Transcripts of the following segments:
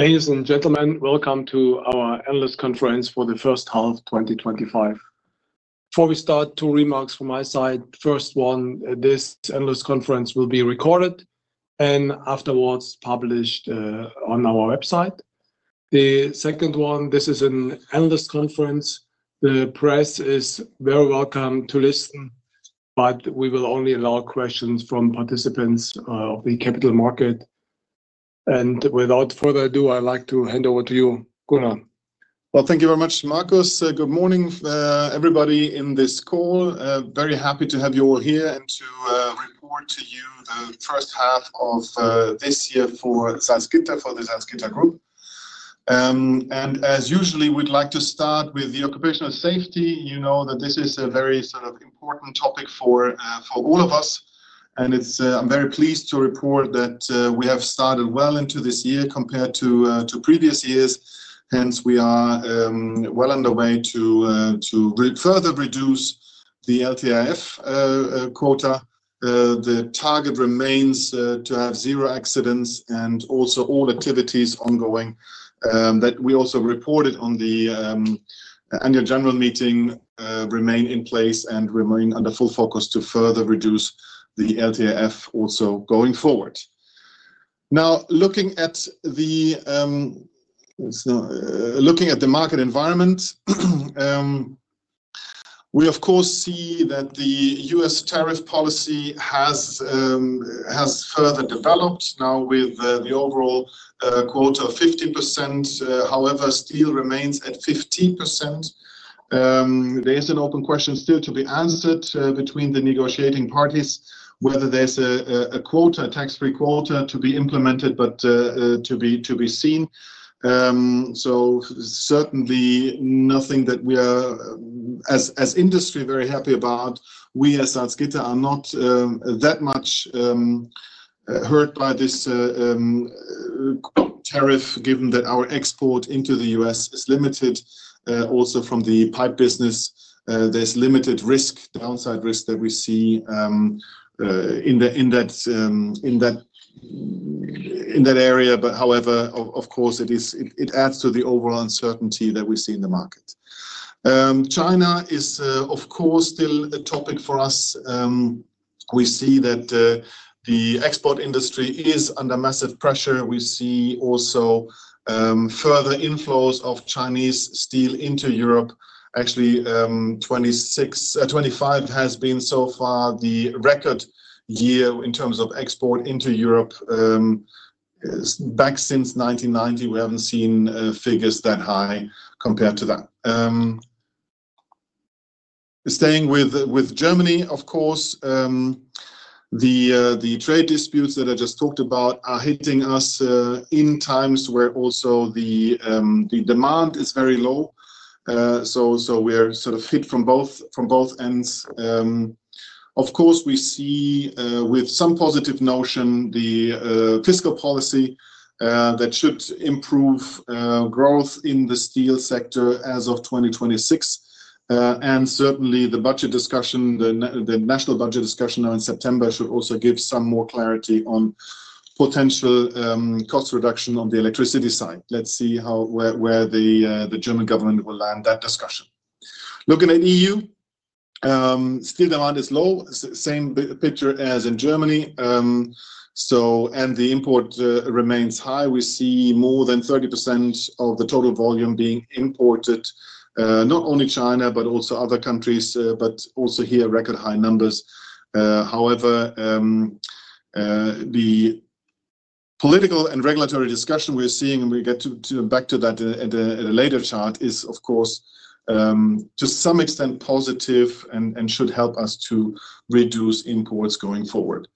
Ladies and gentlemen, welcome to our Analyst Conference for the first half of 2025. Before we start, two remarks from my side. First, this Analyst Conference will be recorded and afterwards published on our website. The second one, this is an Analyst Conference. The press is very welcome to listen, but we will only allow questions from participants of the capital market. Without further ado, I'd like to hand over to you, Gunnar. Thank you very much, Markus. Good morning, everybody in this call. Very happy to have you all here and to report to you the first half of this year for Salzgitter for the Salzgitter Group. As usually, we'd like to start with the occupational safety. You know that this is a very sort of important topic for all of us. I'm very pleased to report that we have started well into this year compared to previous years. Hence, we are well on the way to further reduce the LTIF quota. The target remains to have zero accidents and also all activities ongoing that we also reported on the annual general meeting remain in place and remain under full focus to further reduce the LTIF also going forward. Now, looking at the market environment, we of course see that the US tariff policy has further developed now with the overall quota of 15%. However, steel remains at 15%. There is an open question still to be answered between the negotiating parties whether there's a quota, a tax-free quota to be implemented, but to be seen. Certainly nothing that we are, as industry, very happy about. We as Salzgitter are not that much hurt by this tariff given that our export into the U.S. is limited. Also from the pipe business, there's limited risk, downside risk that we see in that area. However, of course, it adds to the overall uncertainty that we see in the market. China is, of course, still a topic for us. We see that the export industry is under massive pressure. We see also further inflows of Chinese steel into Europe. Actually, 2025 has been so far the record year in terms of export into Europe. Back since 1990, we haven't seen figures that high compared to that. Staying with Germany, of course, the trade disputes that I just talked about are hitting us in times where also the demand is very low. We're sort of hit from both ends. Of course, we see with some positive notion the fiscal policy that should improve growth in the steel sector as of 2026. Certainly, the budget discussion, the national budget discussion now in September should also give some more clarity on potential cost reduction on the electricity side. Let's see where the German government will land that discussion. Looking at EU, still the hardest law. Same picture as in Germany. The import remains high. We see more than 30% of the total volume being imported, not only China, but also other countries, but also here record high numbers. However, the political and regulatory discussion we're seeing, and we'll get back to that at a later chart, is of course to some extent positive and should help us to reduce imports going forward.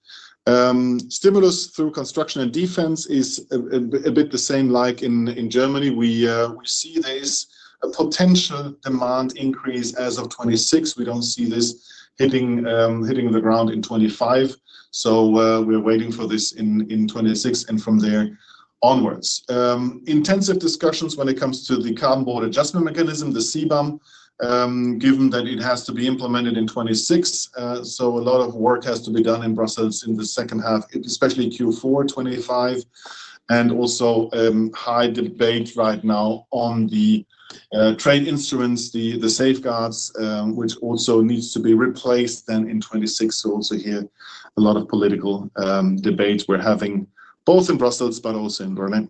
Stimulus through construction and defense is a bit the same like in Germany. We see there's a potential demand increase as of 2026. We don't see this hitting the ground in 2025. We're waiting for this in 2026 and from there onwards. Intensive discussions when it comes to the Carbon Border Adjustment Mechanism, the CBAM, given that it has to be implemented in 2026. A lot of work has to be done in Brussels in the second half, especially Q4 2025. There is also high debate right now on the trade instruments, the safeguard measures, which also need to be replaced then in 2026. Here, a lot of political debate we're having both in Brussels, but also in Berlin.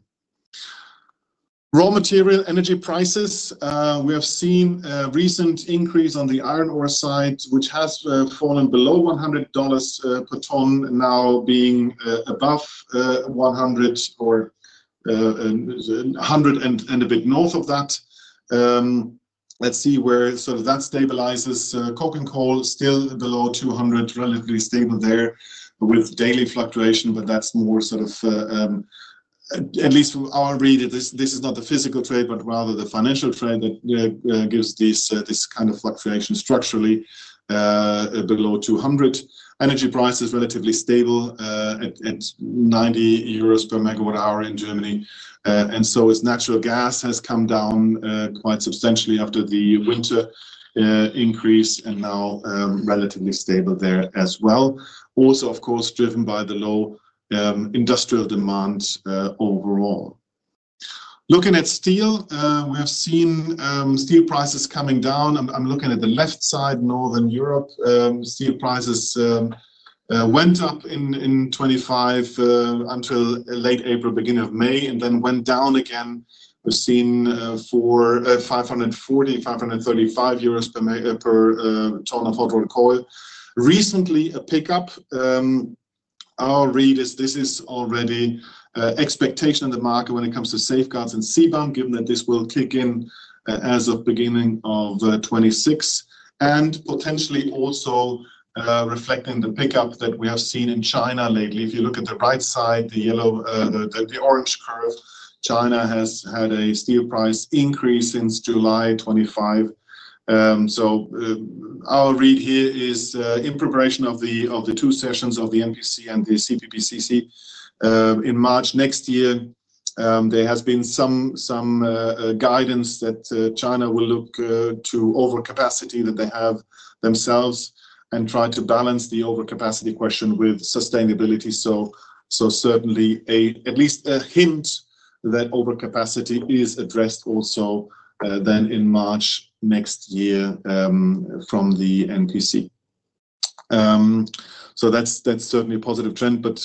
Raw material energy prices, we have seen a recent increase on the iron ore side, which has fallen below $100 per ton, now being above $100 and a bit north of that. Let's see where that stabilizes. Coking coal still below $200, relatively stable there with daily fluctuation, but that's more, at least from our reading, this is not the physical trade, but rather the financial trade that gives this kind of fluctuation structurally below $200. Energy prices relatively stable at 90 euros per MWh in Germany. Natural gas has come down quite substantially after the winter increase and now relatively stable there as well. Also, of course, driven by the low industrial demands overall. Looking at steel, we have seen steel prices coming down. I'm looking at the left side, Northern Europe. Steel prices went up in 2025 until late April, beginning of May, and then went down again. We've seen $540, $535 per ton of hot rolled coil. Recently, a pickup. Our read is this is already an expectation in the market when it comes to safeguard measures and CBAM, given that this will kick in as of the beginning of 2026. Potentially also reflecting the pickup that we have seen in China lately. If you look at the right side, the yellow, the orange curve, China has had a steel price increase since July 2025. Our read here is in preparation of the two sessions of the NPC and the CPPCC in March next year. There has been some guidance that China will look to overcapacity that they have themselves and try to balance the overcapacity question with sustainability. Certainly at least a hint that overcapacity is addressed also then in March next year from the NPC. That's certainly a positive trend, but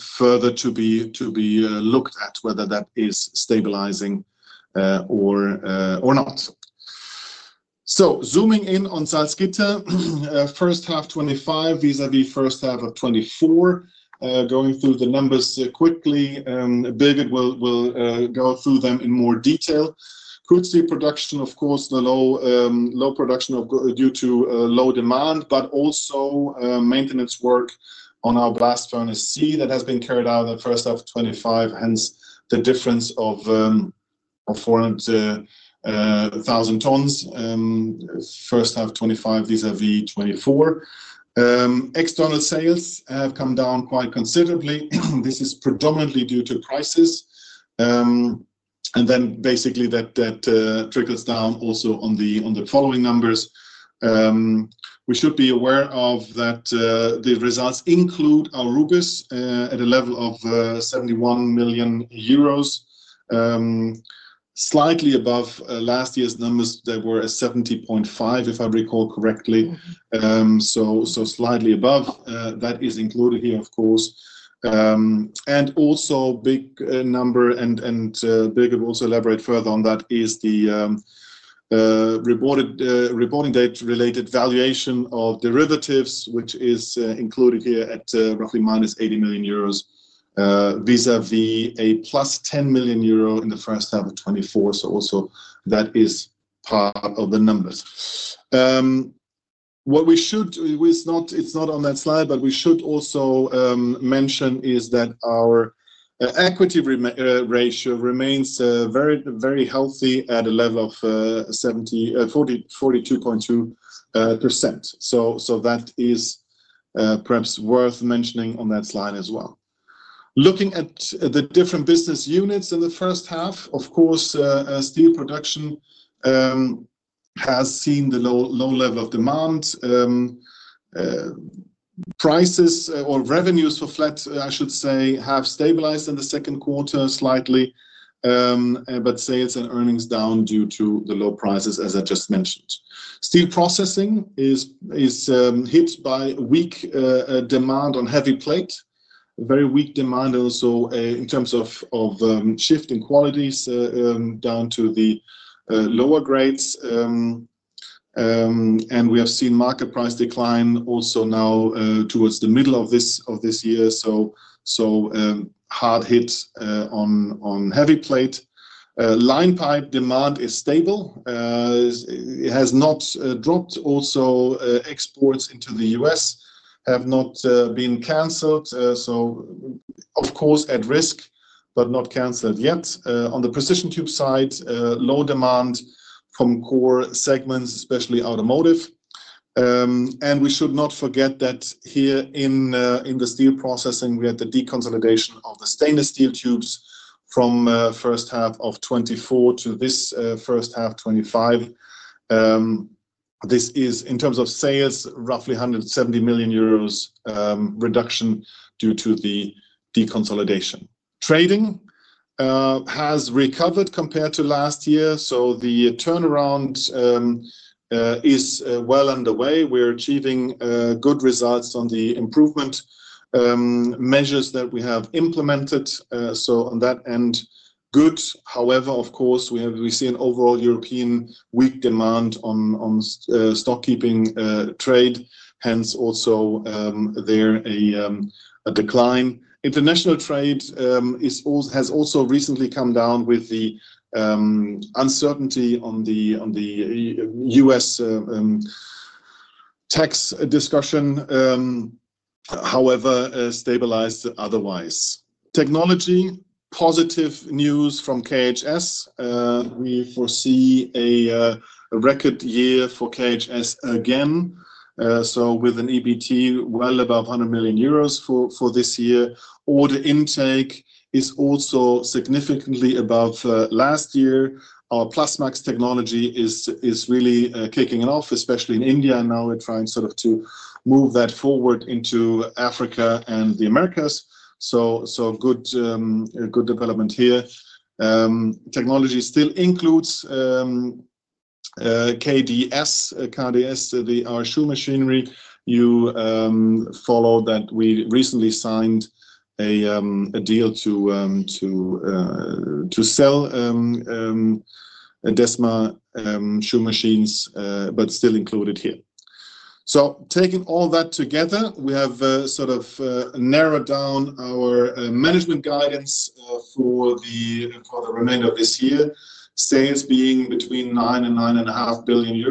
further to be looked at whether that is stabilizing or not. Zooming in on Salzgitter, first half 2025, vis-à-vis first half of 2024. Going through the numbers quickly, Birgit will go through them in more detail. Production, of course, the low production due to low demand, but also maintenance work on our blast furnace C that has been carried out in the first half of 2025. Hence, the difference of 400,000 tons first half 2025, vis-à-vis 2024. External sales have come down quite considerably. This is predominantly due to prices, and that trickles down also on the following numbers. We should be aware that the results include Aurubis at a level of 71 million euros, slightly above last year's numbers that were at 70.5 million, if I recall correctly. Slightly above. That is included here, of course. Also a big number, and Birgit will also elaborate further on that, is the reporting date-related valuation of derivatives, which is included here at roughly 80 million euros, vis-à-vis a +10 million euro in the first half of 2024. That is part of the numbers. It's not on that slide, but we should also mention that our equity ratio remains very, very healthy at a level of 42.2%. That is perhaps worth mentioning on that slide as well. Looking at the different business units in the first half, steel production has seen the low level of demand. Prices or revenues for flat, I should say, have stabilized in the second quarter slightly. Sales and earnings are down due to the low prices, as I just mentioned. Steel processing is hit by a weak demand on heavy plate. Very weak demand also in terms of shifting qualities down to the lower grades. We have seen market price decline also now towards the middle of this year. Hard hit on heavy plate. Line pipe demand is stable. It has not dropped. Exports into the U.S. have not been canceled. At risk, but not canceled yet. On the precision tube side, low demand from core segments, especially automotive. We should not forget that here in the steel processing, we had the deconsolidation of the stainless steel tubes from the first half of 2024 to this first half of 2025. This is in terms of sales, roughly 170 million euros reduction due to the deconsolidation. Trading has recovered compared to last year. The turnaround is well underway. We're achieving good results on the improvement measures that we have implemented. On that end, good. However, of course, we see an overall European weak demand on stock keeping trade. Hence, also there a decline. International trade has also recently come down with the uncertainty on the US tax discussion. However, stabilized otherwise. Technology, positive news from KHS. We foresee a record year for KHS again, with an EBT well above 100 million euros for this year. Order intake is also significantly above last year. Our Plusmax technology is really kicking off, especially in India. Now we're trying to move that forward into Africa and the Americas. Good development here. Technology still includes KDS, KDS, our shoe machinery. You follow that we recently signed a deal to sell Desma Shoe Machines, but still included here. Taking all that together, we have narrowed down our management guidance for the remainder of this year. Sales being between 9 billion euros and EUR 9.5 billion,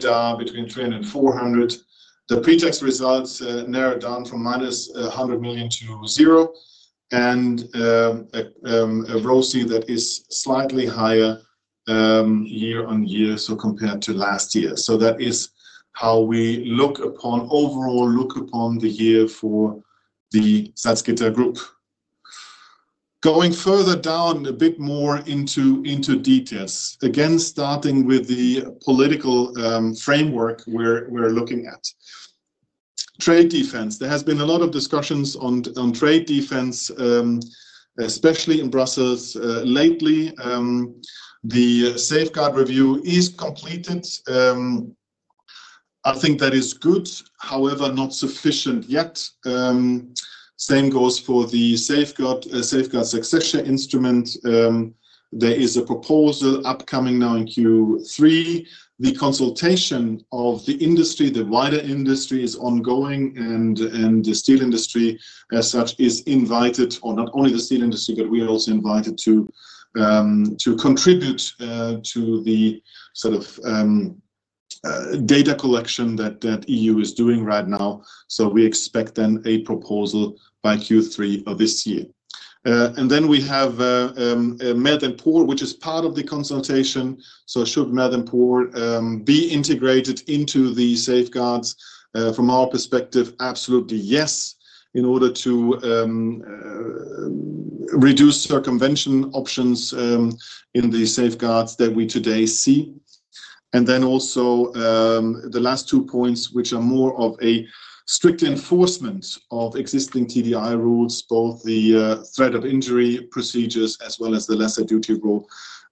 EBITDA between 300 million and 400 million. The pre-tax results narrowed down from -100 million to 0. A ROC that is slightly higher year on year compared to last year. That is how we look upon, overall look upon the year for the Salzgitter Group. Going further down a bit more into details. Again, starting with the political framework we're looking at. Trade defense. There has been a lot of discussions on trade defense, especially in Brussels lately. The safeguard review is completed. I think that is good. However, not sufficient yet. Same goes for the safeguard succession instrument. There is a proposal upcoming now in Q3. The consultation of the industry, the wider industry is ongoing, and the steel industry as such is invited, or not only the steel industry, but we are also invited to contribute to the data collection that EU is doing right now. We expect then a proposal by Q3 of this year. We have MAD and POR, which is part of the consultation. Should MAD and POR be integrated into the safeguards? From our perspective, absolutely yes, in order to reduce circumvention options in the safeguards that we today see. The last two points, which are more of a strict enforcement of existing TDI rules, both the threat of injury procedures as well as the lesser duty rule.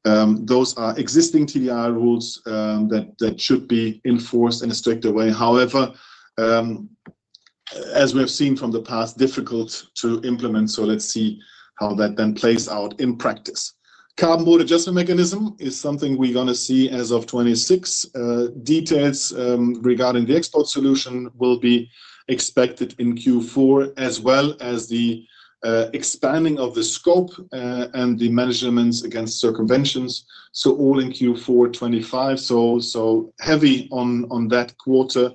Those are existing TDI rules that should be enforced in a stricter way. However, as we have seen from the past, difficult to implement. Let's see how that then plays out in practice. Carbon Border Adjustment Mechanism is something we're going to see as of 2026. Details regarding the export solution will be expected in Q4, as well as the expanding of the scope and the managements against circumventions, all in Q4 2025. Heavy on that quarter.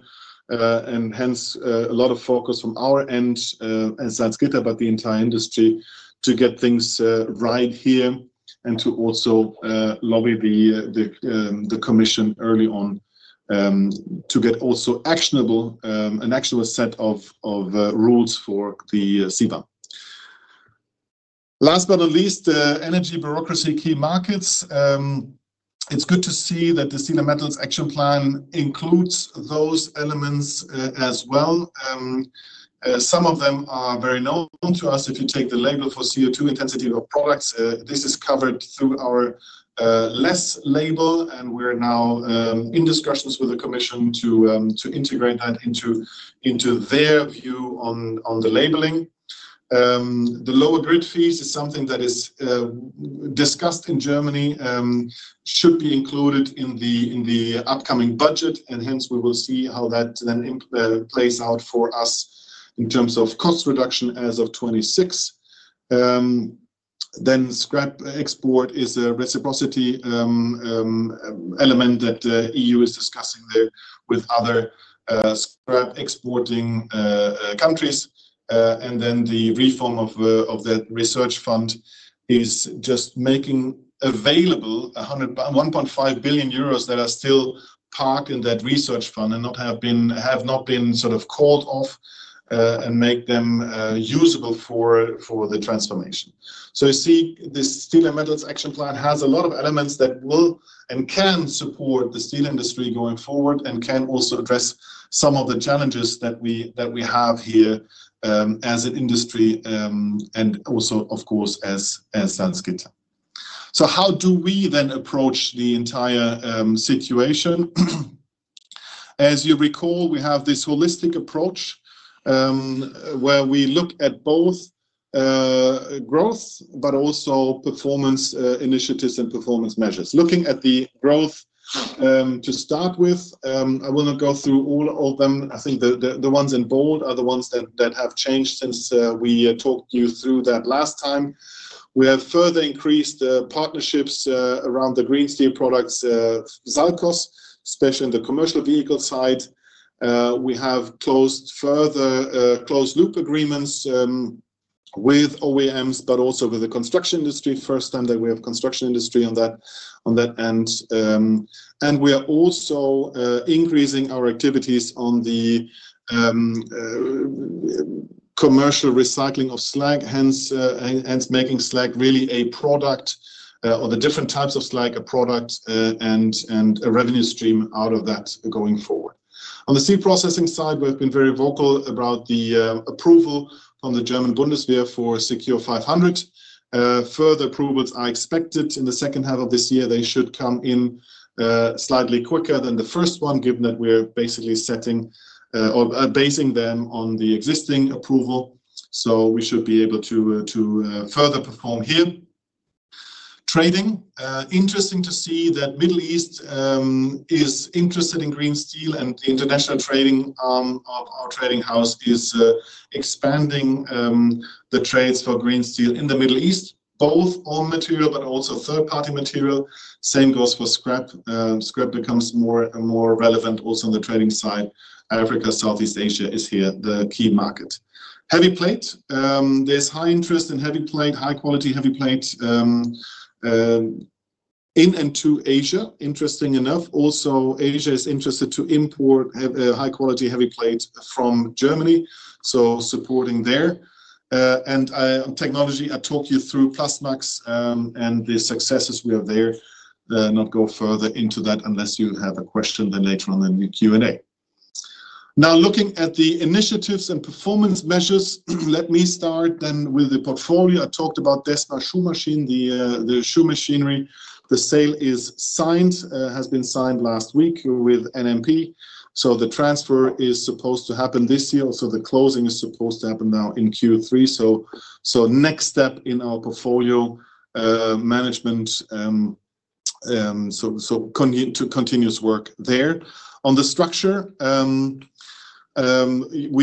Hence, a lot of focus from our end as Salzgitter, but the entire industry, to get things right here and to also lobby the Commission early on to get also an actionable set of rules for the CBAM. Last but not least, energy bureaucracy, key markets. It's good to see that the Steel and Metals Action Plan includes those elements as well. Some of them are very known to us. If you take the label for CO2 intensity of products, this is covered through our LESS label. We are now in discussions with the Commission to integrate that into their view on the labeling. The lower grid fees is something that is discussed in Germany, should be included in the upcoming budget. We will see how that then plays out for us in terms of cost reduction as of 2026. Scrap export is a reciprocity element that the EU is discussing there with other scrap exporting countries. The reform of that research fund is just making available 1.5 billion euros that are still parked in that research fund and have not been sort of called off and make them usable for the transformation. You see, the Steel and Metals Action Plan has a lot of elements that will and can support the steel industry going forward and can also address some of the challenges that we have here as an industry and also, of course, as Salzgitter. How do we then approach the entire situation? As you recall, we have this holistic approach where we look at both growth, but also performance initiatives and performance measures. Looking at the growth to start with, I want to go through all of them. I think the ones in bold are the ones that have changed since we talked you through that last time. We have further increased partnerships around the green steel products, Zalcos, especially in the commercial vehicle side. We have closed further closed-loop agreements with OEMs, but also with the construction industry. First time that we have construction industry on that end. We are also increasing our activities on the commercial recycling of slag, making slag really a product or the different types of slag, a product and a revenue stream out of that going forward. On the steel processing side, we've been very vocal about the approval on the German Bundeswehr for Secure 500. Further approvals are expected in the second half of this year. They should come in slightly quicker than the first one, given that we are basically setting or basing them on the existing approval. We should be able to further perform here. Trading, interesting to see that the Middle East is interested in green steel and the international trading arm, our trading house, is expanding the trades for green steel in the Middle East, both on material, but also third-party material. The same goes for scrap. Scrap becomes more and more relevant also on the trading side. Africa, Southeast Asia is here the key market. Heavy plate, there's high interest in heavy plate, high-quality heavy plate in and to Asia, interesting enough. Also, Asia is interested to import high-quality heavy plate from Germany, supporting there. On technology, I talk you through Plusmax and the successes we have there. I'll not go further into that unless you have a question then later on in the Q&A. Now looking at the initiatives and performance measures, let me start then with the portfolio. I talked about Desma Shoe Machines, the shoe machinery. The sale is signed, has been signed last week with NMP. The transfer is supposed to happen this year. Also, the closing is supposed to happen now in Q3. Next step in our portfolio management, continuous work there. On the structure, we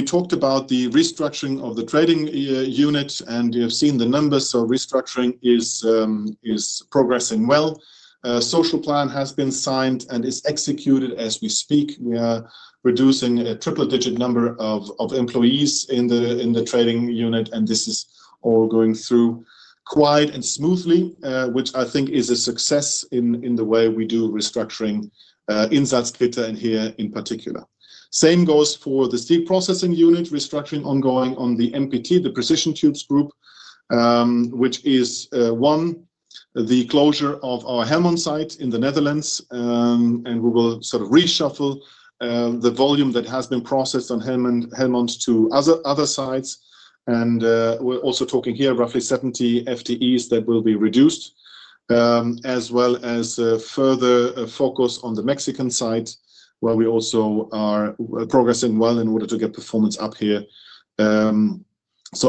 talked about the restructuring of the trading unit and you have seen the numbers. Restructuring is progressing well. Social plan has been signed and is executed as we speak. We are reducing a triple-digit number of employees in the trading unit and this is all going through quiet and smoothly, which I think is a success in the way we do restructuring in Salzgitter and here in particular. The same goes for the steel processing unit, restructuring ongoing on the MPT, the Precision Tubes Group, which is one, the closure of our Helmond sites in the Netherlands. We will sort of reshuffle the volume that has been processed on Helmond to other sites. We're also talking here roughly 70 FTEs that will be reduced, as well as further focus on the Mexican site where we also are progressing well in order to get performance up here.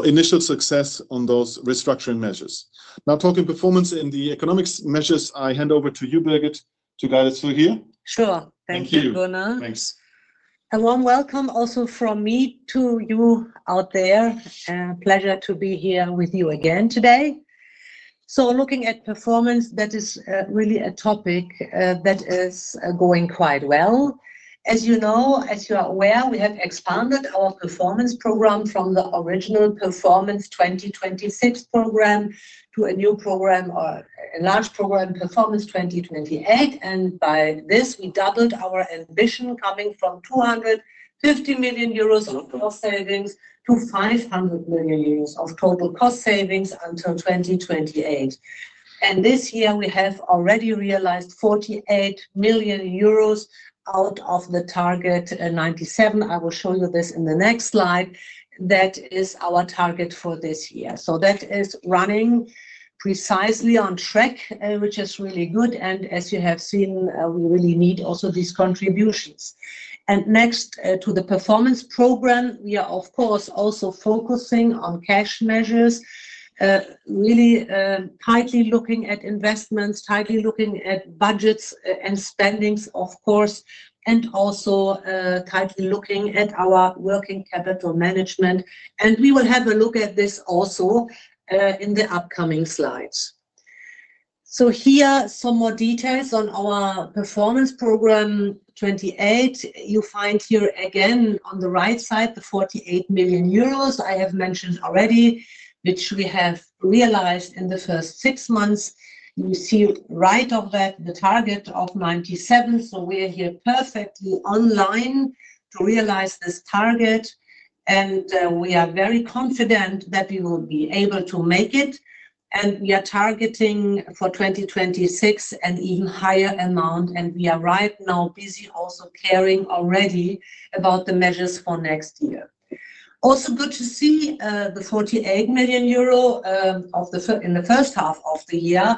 Initial success on those restructuring measures. Now talking performance in the economics measures, I hand over to you, Birgit, to guide us through here. Sure. Thank you, Gunnar. Thanks. A warm welcome also from me to you out there. Pleasure to be here with you again today. Looking at performance, that is really a topic that is going quite well. As you know, as you are aware, we have expanded our performance program from the original Performance 2026 program to a new program, a large program, Performance 2028. By this, we doubled our ambition coming from 250 million euros of gross savings to 500 million euros of total cost savings until 2028. This year, we have already realized 48 million euros out of the target 97 million. I will show you this in the next slide. That is our target for this year. That is running precisely on track, which is really good. As you have seen, we really need also these contributions. Next to the performance program, we are, of course, also focusing on cash measures, really tightly looking at investments, tightly looking at budgets and spendings, of course, and also tightly looking at our working capital management. We will have a look at this also in the upcoming slides. Here, some more details on our Performance 2028 program. You find here again on the right side, the 48 million euros I have mentioned already, which we have realized in the first six months. We see right of that the target of 97 million. We are here perfectly online to realize this target. We are very confident that we will be able to make it. We are targeting for 2026 an even higher amount. We are right now busy also caring already about the measures for next year. Also good to see, the 48 million euro in the first half of the year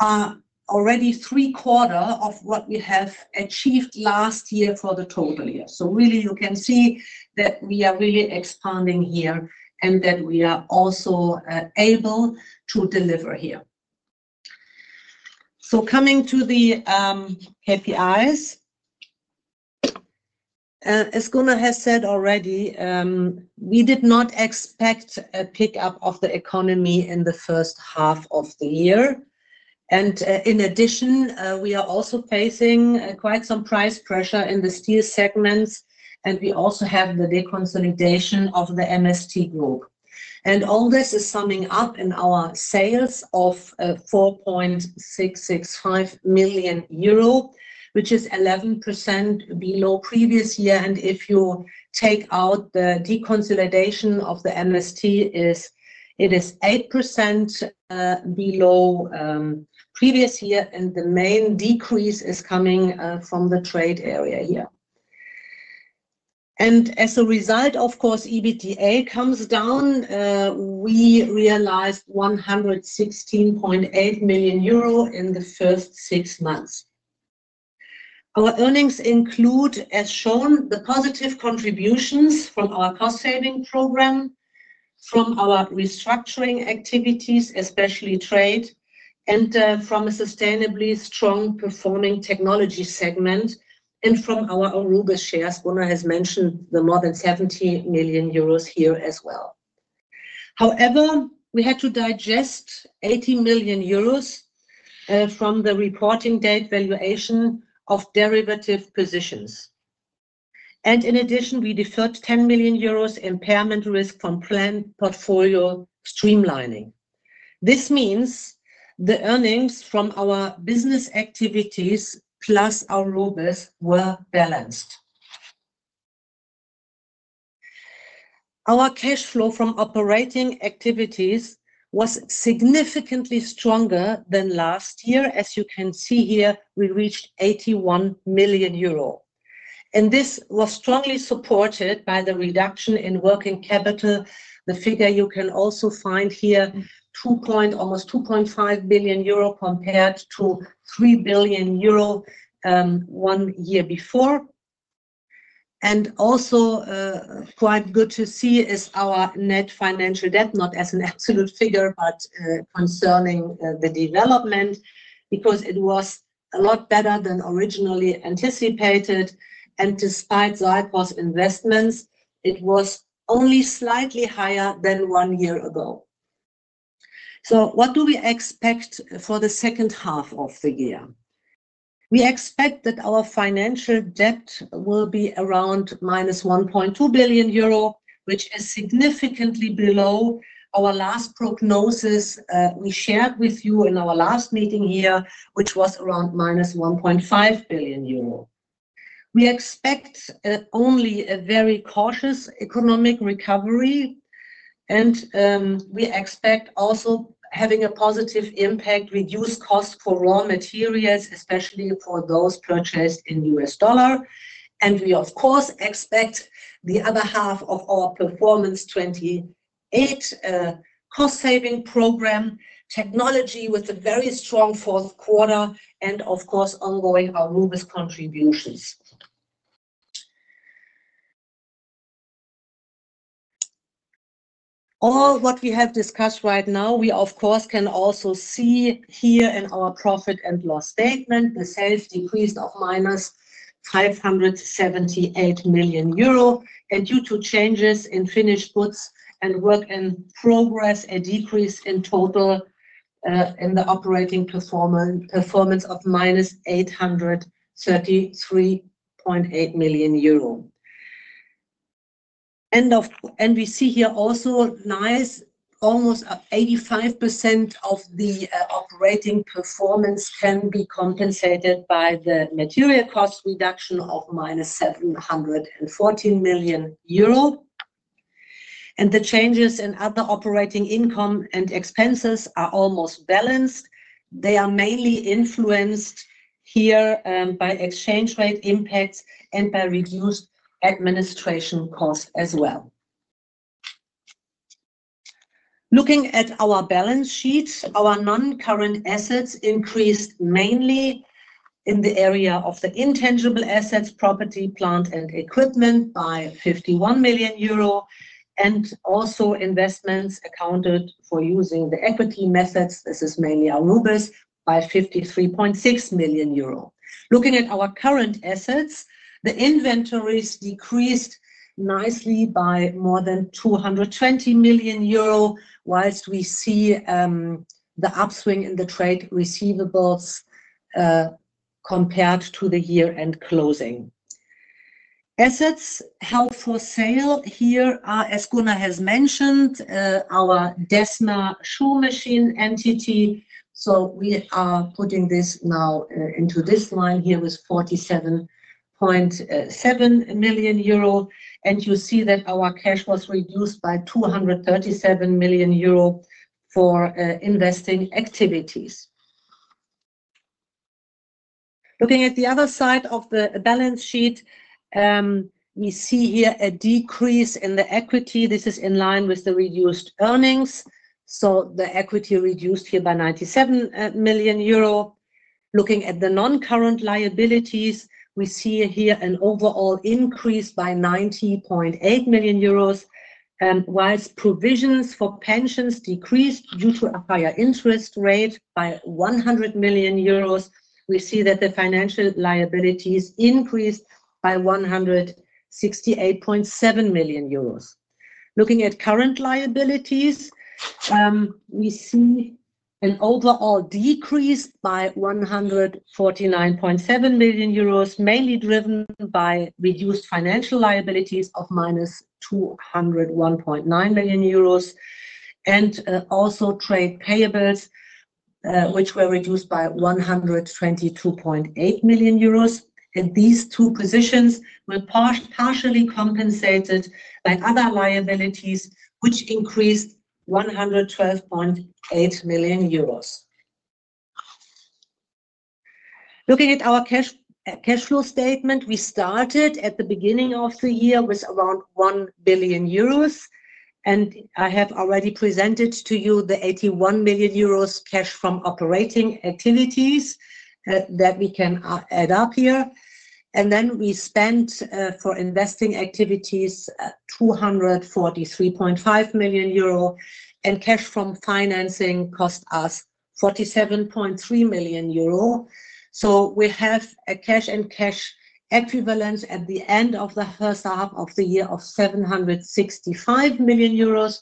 are already three-quarters of what we have achieved last year for the total year. You can see that we are really expanding here and that we are also able to deliver here. Coming to the KPIs, as Gunnar has said already, we did not expect a pickup of the economy in the first half of the year. In addition, we are also facing quite some price pressure in the steel segments. We also have the deconsolidation of the MST Group. All this is summing up in our sales of 4.665 million euro, which is 11% below previous year. If you take out the deconsolidation of the MST Group, it is 8% below previous year. The main decrease is coming from the trade area here. As a result, of course, EBITDA comes down. We realized 116.8 million euro in the first six months. Our earnings include, as shown, the positive contributions from our cost-saving program, from our restructuring activities, especially trade, and from a sustainably strong performing technology segment, and from our Aruba shares. Gunnar has mentioned the more than 70 million euros here as well. However, we had to digest 80 million euros from the reporting date valuation of derivative positions. In addition, we deferred 10 million euros impairment risk from planned portfolio streamlining. This means the earnings from our business activities plus our robust were balanced. Our cash flow from operating activities was significantly stronger than last year. As you can see here, we reached 81 million euro. This was strongly supported by the reduction in working capital. The figure you can also find here, almost 2.5 billion euro compared to 3 billion euro one year before. Also quite good to see is our net financial debt, not as an absolute figure, but concerning the development because it was a lot better than originally anticipated. Despite Zalcos investments, it was only slightly higher than one year ago. What do we expect for the second half of the year? We expect that our financial debt will be around -1.2 billion euro, which is significantly below our last prognosis we shared with you in our last meeting here, which was around 1.5 billion euro. We expect only a very cautious economic recovery. We expect also having a positive impact, reduced costs for raw materials, especially for those purchased in US dollar. We, of course, expect the other half of our Performance 2028 cost-saving program, technology with a very strong fourth quarter, and, of course, ongoing Aruba's contributions. All what we have discussed right now, we, of course, can also see here in our profit and loss statement, the sales decreased of 578 million euro. Due to changes in finished goods and work in progress, a decrease in total in the operating performance of 833.8 million euro. We see here also nice, almost up 85% of the operating performance can be compensated by the material cost reduction of 714 million euro. The changes in other operating income and expenses are almost balanced. They are mainly influenced here by exchange rate impacts and by reduced administration costs as well. Looking at our balance sheet, our non-current assets increased mainly in the area of the intangible assets, property, plant, and equipment by 51 million euro. Investments accounted for using the equity method, this is mainly Arubis, by 53.6 million euro. Looking at our current assets, the inventories decreased nicely by more than 220 million euro, while we see the upswing in the trade receivables compared to the year-end closing. Assets held for sale here are, as Gunnar has mentioned, our Desma Shoe Machines entity. We are putting this now into this line here with 47.7 million euro. You see that our cash was reduced by 237 million euro for investing activities. Looking at the other side of the balance sheet, we see a decrease in the equity. This is in line with the reduced earnings. The equity reduced here by 97 million euro. Looking at the non-current liabilities, we see an overall increase by 90.8 million euros. While provisions for pensions decreased due to a higher interest rate by 100 million euros, the financial liabilities increased by 168.7 million euros. Looking at current liabilities, we see an overall decrease by 149.7 million euros, mainly driven by reduced financial liabilities of 201.9 million euros and also trade payables, which were reduced by 122.8 million euros. These two positions were partially compensated by other liabilities, which increased 112.8 million euros. Looking at our cash flow statement, we started at the beginning of the year with around 1 billion euros. I have already presented to you the 81 million euros cash from operating activities that we can add up here. We spent for investing activities 243.5 million euro. Cash from financing cost us 47.3 million euro. We have a cash and cash equivalents at the end of the first half of the year of 765 million euros,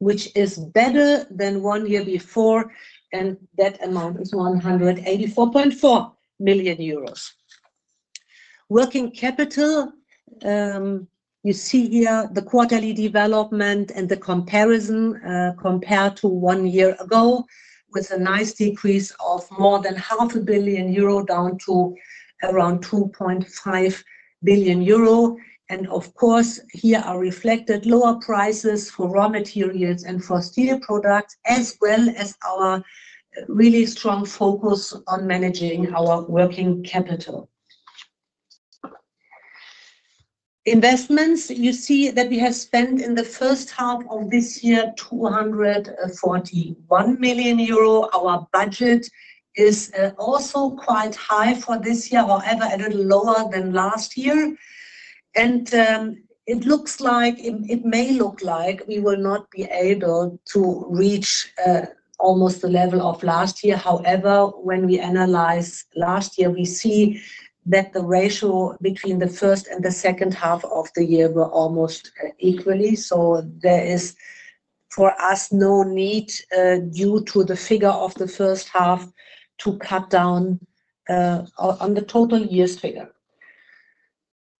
which is better than one year before. That amount is 184.4 million euros. Working capital, you see here the quarterly development and the comparison compared to one year ago with a nice decrease of more than half a billion euro down to around 2.5 billion euro. Here are reflected lower prices for raw materials and for steel products, as well as our really strong focus on managing our working capital. Investments, you see that we have spent in the first half of this year 241 million euro. Our budget is also quite high for this year, however, a little lower than last year. It looks like we will not be able to reach almost the level of last year. When we analyze last year, we see that the ratio between the first and the second half of the year were almost equal. There is for us no need due to the figure of the first half to cut down on the total year's figure.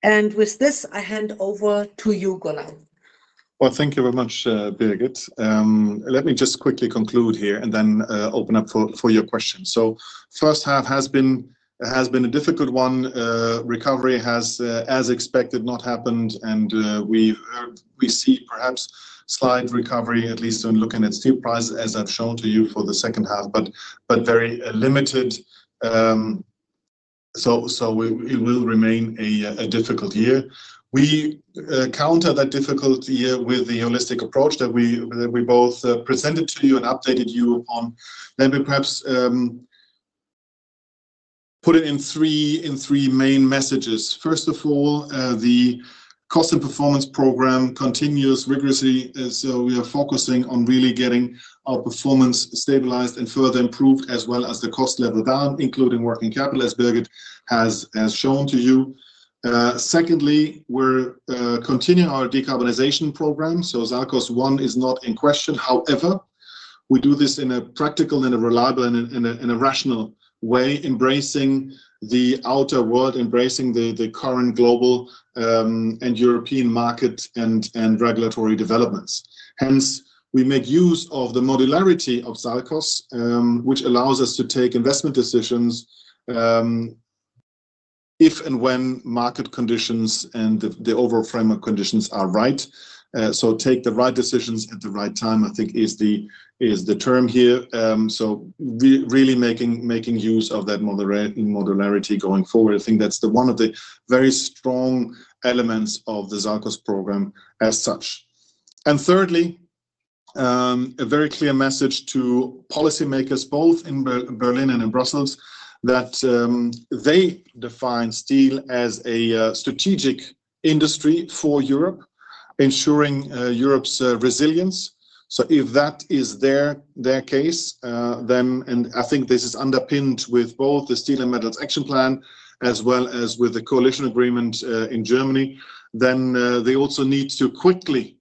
With this, I hand over to you, Gunnar. Thank you very much, Birgit. Let me just quickly conclude here and then open up for your questions. The first half has been a difficult one. Recovery has, as expected, not happened. We see perhaps slight recovery, at least in looking at steel prices, as I've shown to you for the second half, but very limited. It will remain a difficult year. We counter that difficult year with the holistic approach that we both presented to you and updated you upon. Let me perhaps put it in three main messages. First of all, the cost and performance program continues rigorously. We are focusing on really getting our performance stabilized and further improved, as well as the cost level down, including working capital, as Birgit has shown to you. Secondly, we're continuing our decarbonization program. Zalcos I is not in question. However, we do this in a practical and a reliable and a rational way, embracing the outer world, embracing the current global and European market and regulatory developments. Hence, we make use of the modularity of Zalcos, which allows us to take investment decisions if and when market conditions and the overall framework conditions are right. Take the right decisions at the right time, I think, is the term here. Really making use of that modularity going forward. I think that's one of the very strong elements of the Zalcos program as such. Thirdly, a very clear message to policymakers, both in Berlin and in Brussels, that they define steel as a strategic industry for Europe, ensuring Europe's resilience. If that is their case, then, and I think this is underpinned with both the Steel and Metals Action Plan, as well as with the coalition agreement in Germany, they also need to quickly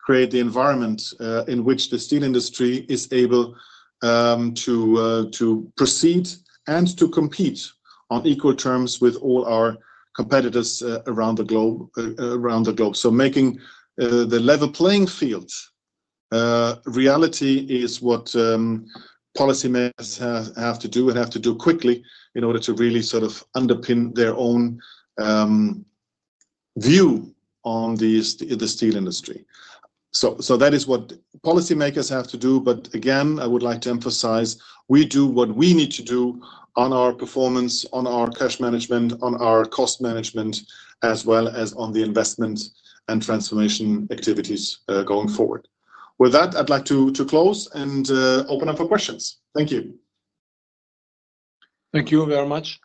create the environment in which the steel industry is able to proceed and to compete on equal terms with all our competitors around the globe. Making the level playing field reality is what policymakers have to do and have to do quickly in order to really sort of underpin their own view on the steel industry. That is what policymakers have to do. Again, I would like to emphasize, we do what we need to do on our performance, on our cash management, on our cost management, as well as on the investment and transformation activities going forward. With that, I'd like to close and open up for questions. Thank you. Thank you very much.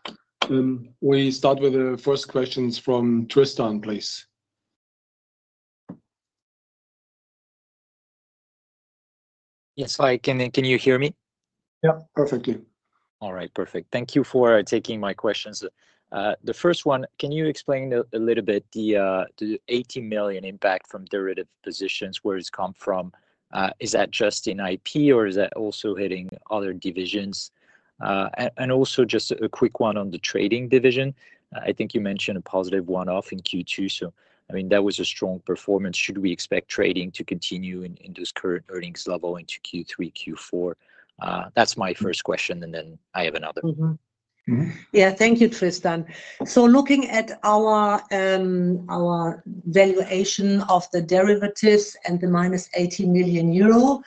We start with the first questions from Tristan, please. Yes, hi. Can you hear me? Yeah, perfectly. All right, perfect. Thank you for taking my questions. The first one, can you explain a little bit the 80 million impact from derivative positions, where it's come from? Is that just in IP, or is that also hitting other divisions? Also, just a quick one on the trading division. I think you mentioned a positive one-off in Q2. That was a strong performance. Should we expect trading to continue in this current earnings level into Q3, Q4? That's my first question. I have another. Thank you, Tristan. Looking at our valuation of the derivatives and the minus 18 million euro,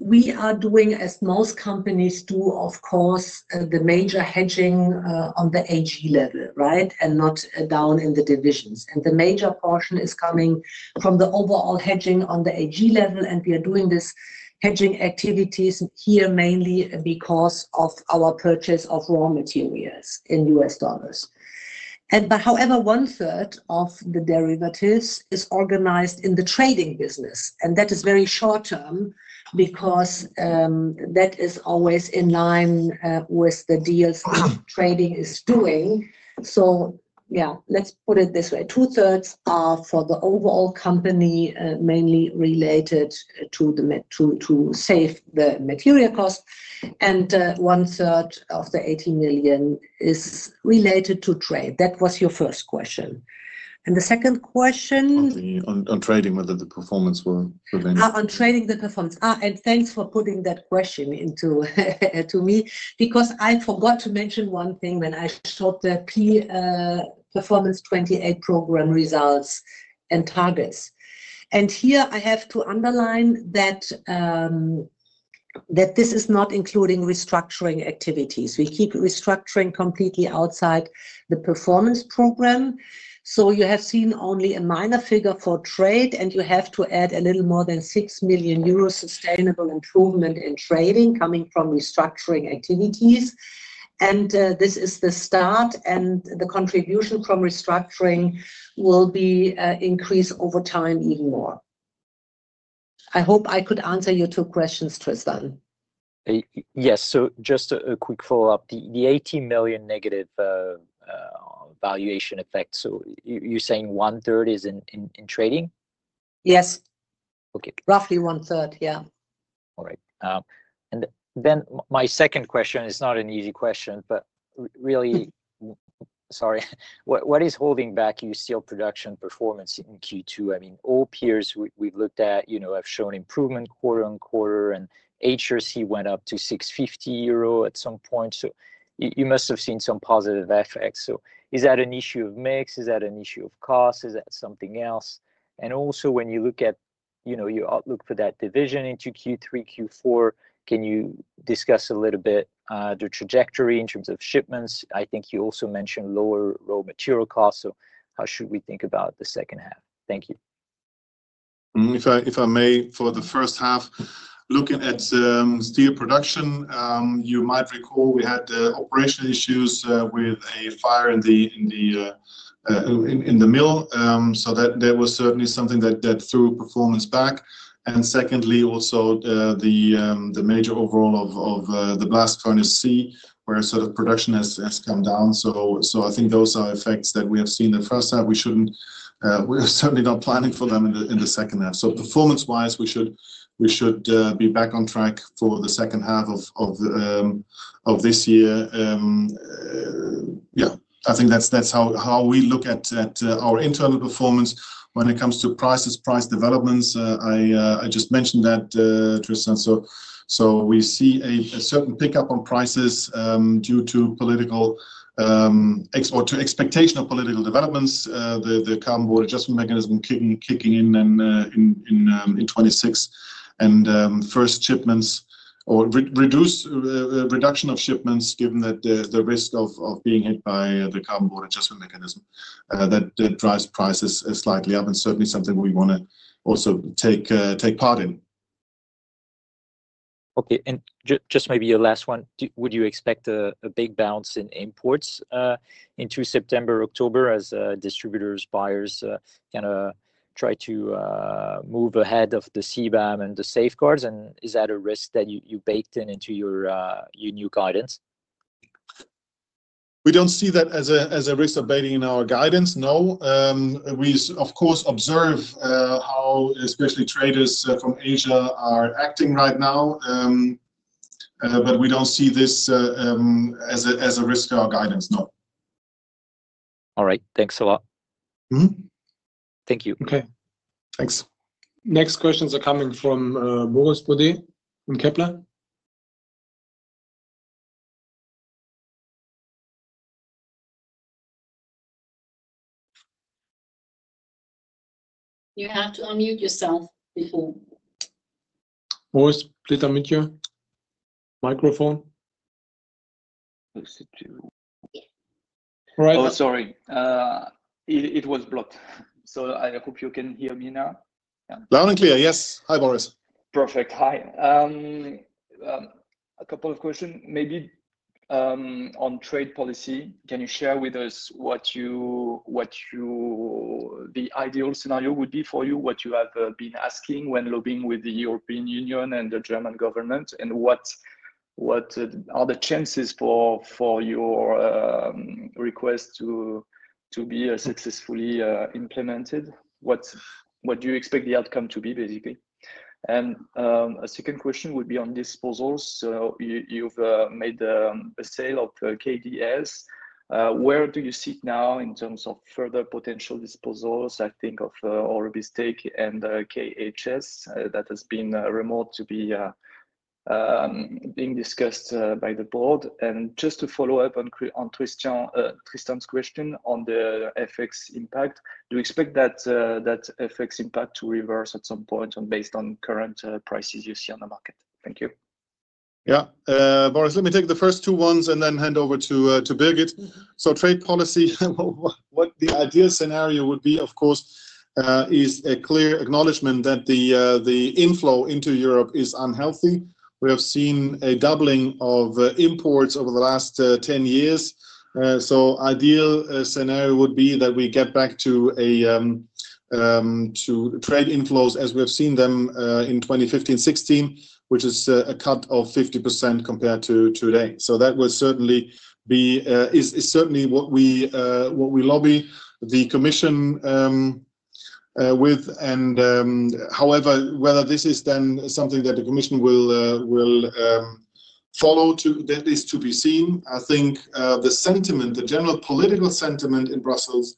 we are doing, as most companies do, the major hedging on the AG level, not down in the divisions. The major portion is coming from the overall hedging on the AG level. We are doing these hedging activities here mainly because of our purchase of raw materials in US dollars. However, one third of the derivatives is organized in the trading business, and that is very short term because that is always in line with the deals trading is doing. Let's put it this way: two thirds are for the overall company, mainly related to saving the material cost, and one third of the 18 million is related to trade. That was your first question. The second question? On trading, whether the performance will benefit. On trading, the performance. Thanks for putting that question to me because I forgot to mention one thing when I showed the key Performance 2028 program results and targets. Here, I have to underline that this is not including restructuring activities. We keep restructuring completely outside the performance program. You have seen only a minor figure for trade, and you have to add a little more than 6 million euros sustainable improvement in trading coming from restructuring activities. This is the start. The contribution from restructuring will be increased over time even more. I hope I could answer your two questions, Tristan. Yes. Just a quick follow-up. The 80 million negative valuation effect, you're saying one third is in trading? Yes. Okay. Roughly one third, yeah. All right. My second question is not an easy question, but really, sorry, what is holding back your steel production performance in Q2? I mean, all peers we've looked at have shown improvement quarter on quarter, and HRC went up to 650 euro at some point. You must have seen some positive effects. Is that an issue of mix? Is that an issue of cost? Is that something else? Also, when you look at your outlook for that division into Q3 and Q4, can you discuss a little bit the trajectory in terms of shipments? I think you also mentioned lower raw material costs. How should we think about the second half? Thank you. If I may, for the first half, looking at steel production, you might recall we had the operational issues with a fire in the mill. That was certainly something that threw performance back. Secondly, also the major overhaul of the blast furnace C, where sort of production has come down. I think those are effects that we have seen the first half. We shouldn't, we're certainly not planning for them in the second half. Performance-wise, we should be back on track for the second half of this year. I think that's how we look at our internal performance when it comes to prices, price developments. I just mentioned that, Tristan. We see a certain pickup on prices due to political or to expectation of political developments. The Carbon Border Adjustment Mechanism kicking in in 2026, and first shipments or reduction of shipments, given that the risk of being hit by the Carbon Border Adjustment Mechanism, that drives prices slightly up. Certainly something we want to also take part in. Okay. Just maybe your last one. Would you expect a big bounce in imports into September, October as distributors, buyers kind of try to move ahead of the CBAM and the safeguard measures? Is that a risk that you baked in into your new guidance? We don't see that as a risk of baiting in our guidance, no. We, of course, observe how especially traders from Asia are acting right now, but we don't see this as a risk in our guidance, no. All right. Thanks a lot. Mm-hmm. Thank you. Okay. Thanks. Next questions are coming from Boris Bourdet in Kepler. You have to unmute yourself first. Boris, did I mute your microphone? Sorry. It was blocked. I hope you can hear me now. Loud and clear, yes. Hi, Boris. Perfect. Hi. A couple of questions, maybe on trade policy. Can you share with us what the ideal scenario would be for you, what you have been asking when lobbying with the European Union and the German government, and what are the chances for your request to be successfully implemented? What do you expect the outcome to be, basically? A second question would be on disposals. You've made a sale of Desma Shoe Machines. Where do you see it now in terms of further potential disposals? I think of Arubistek and KHS. That has been rumored to be discussed by the board. Just to follow up on Tristan's question on the FX impact, do you expect that FX impact to reverse at some point based on current prices you see on the market? Thank you. Yeah. Boris, let me take the first two ones and then hand over to Birgit. Trade policy, what the ideal scenario would be, of course, is a clear acknowledgement that the inflow into Europe is unhealthy. We have seen a doubling of imports over the last 10 years. The ideal scenario would be that we get back to trade inflows as we have seen them in 2015-2016, which is a cut of 50% compared to today. That would certainly be what we lobby the commission with. However, whether this is then something that the commission will follow, that is to be seen. I think the sentiment, the general political sentiment in Brussels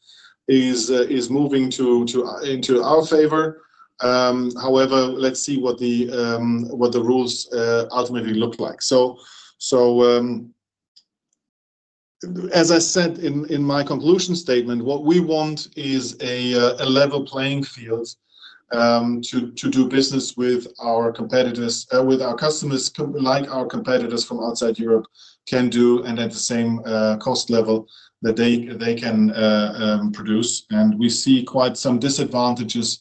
is moving into our favor. Let's see what the rules ultimately look like. As I said in my conclusion statement, what we want is a level playing field to do business with our customers like our competitors from outside Europe can do and at the same cost level that they can produce. We see quite some disadvantages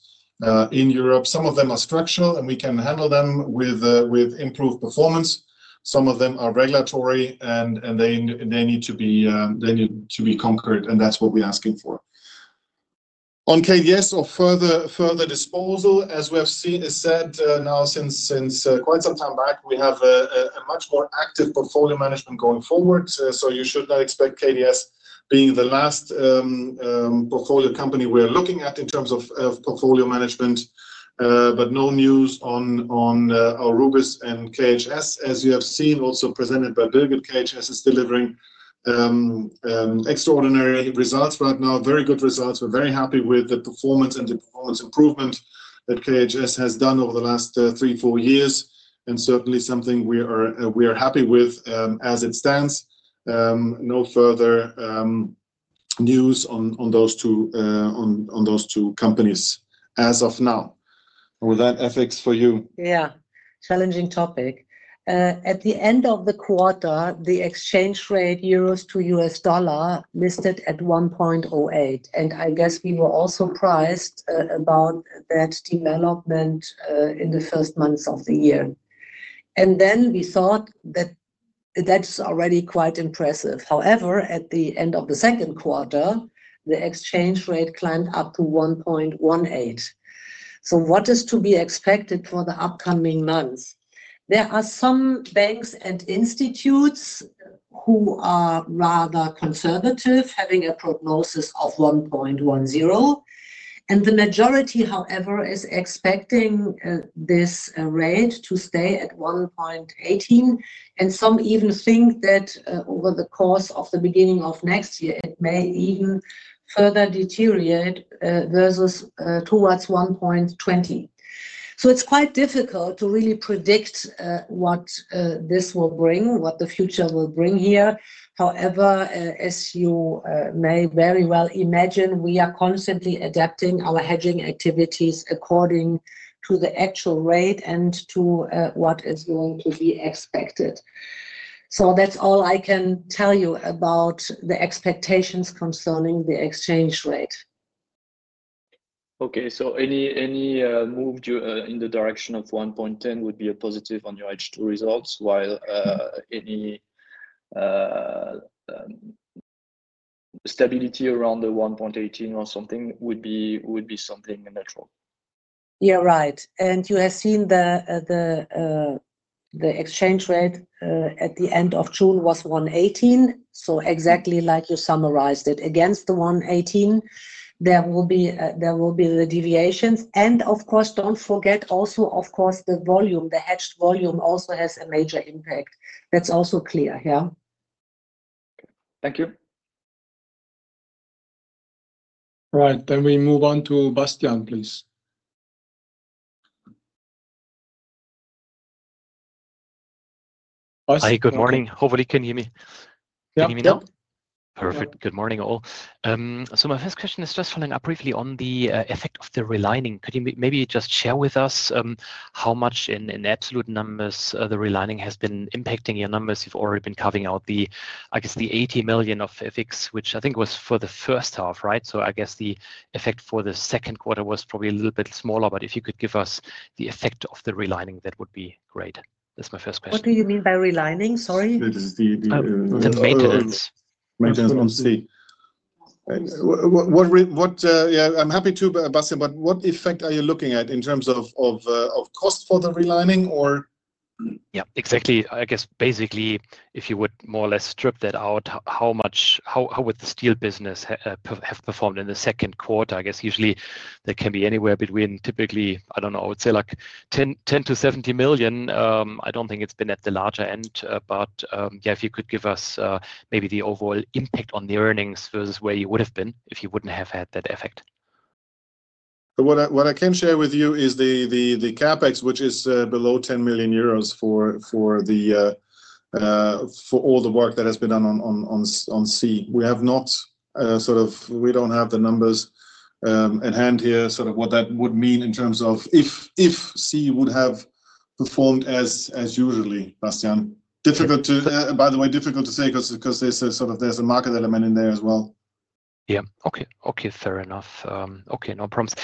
in Europe. Some of them are structural, and we can handle them with improved performance. Some of them are regulatory, and they need to be conquered, and that's what we're asking for. On KDS or further disposal, as we have said now since quite some time back, we have a much more active portfolio management going forward. You should not expect KDS being the last portfolio company we are looking at in terms of portfolio management. No news on Aurubis and KHS, as you have seen also presented by Birgit. KHS is delivering extraordinary results right now, very good results. We're very happy with the performance and the performance improvement that KHS has done over the last three, four years. Certainly something we are happy with as it stands. No further news on those two companies as of now. With that, FX for you. Yeah, challenging topic. At the end of the quarter, the exchange rate euros to US dollar listed at $1.08. I guess we were all surprised about that development in the first months of the year. We thought that that's already quite impressive. However, at the end of the second quarter, the exchange rate climbed up to $1.18. What is to be expected for the upcoming months? There are some banks and institutes who are rather conservative, having a prognosis of $1.10. The majority, however, is expecting this rate to stay at $1.18. Some even think that over the course of the beginning of next year, it may even further deteriorate towards $1.20. It's quite difficult to really predict what this will bring, what the future will bring here. However, as you may very well imagine, we are constantly adapting our hedging activities according to the actual rate and to what is going to be expected. That's all I can tell you about the expectations concerning the exchange rate. Any move in the direction of $1.10 would be a positive on your H2 results, while any stability around the $1.18 or something would be something natural. You're right. You have seen the exchange rate at the end of June was $1.18. Exactly like you summarized it, against the $1.18, there will be the deviations. Of course, don't forget also, the volume, the hedged volume also has a major impact. That's also clear here. Thank you. All right. We move on to Bastian, please. Hi. Good morning. Hopefully, you can hear me. Yeah. Can you hear me now? Yeah. Perfect. Good morning all. My first question is just following up briefly on the effect of the relining. Could you maybe just share with us how much in absolute numbers the relining has been impacting your numbers? You've already been carving out the, I guess, the 80 million of FX, which I think was for the first half, right? I guess the effect for the second quarter was probably a little bit smaller. If you could give us the effect of the relining, that would be great. That's my first question. What do you mean by relining? Sorry. The maintenance. Maintenance. Maintenance on site. Yeah, I'm happy to, Bastian, what effect are you looking at in terms of cost for the relining, or? Yeah, exactly. I guess basically, if you would more or less strip that out, how much, how would the steel business have performed in the second quarter? I guess usually that can be anywhere between, typically, I don't know, I would say like $10 million-$70 million. I don't think it's been at the larger end. If you could give us maybe the overall impact on the earnings versus where you would have been if you wouldn't have had that effect. What I can share with you is the CapEx, which is below 10 million euros for all the work that has been done on C. We don't have the numbers in hand here for what that would mean in terms of if C would have performed as usually, Bastian. Difficult to say because there's a market element in there as well. Okay, fair enough. No problems.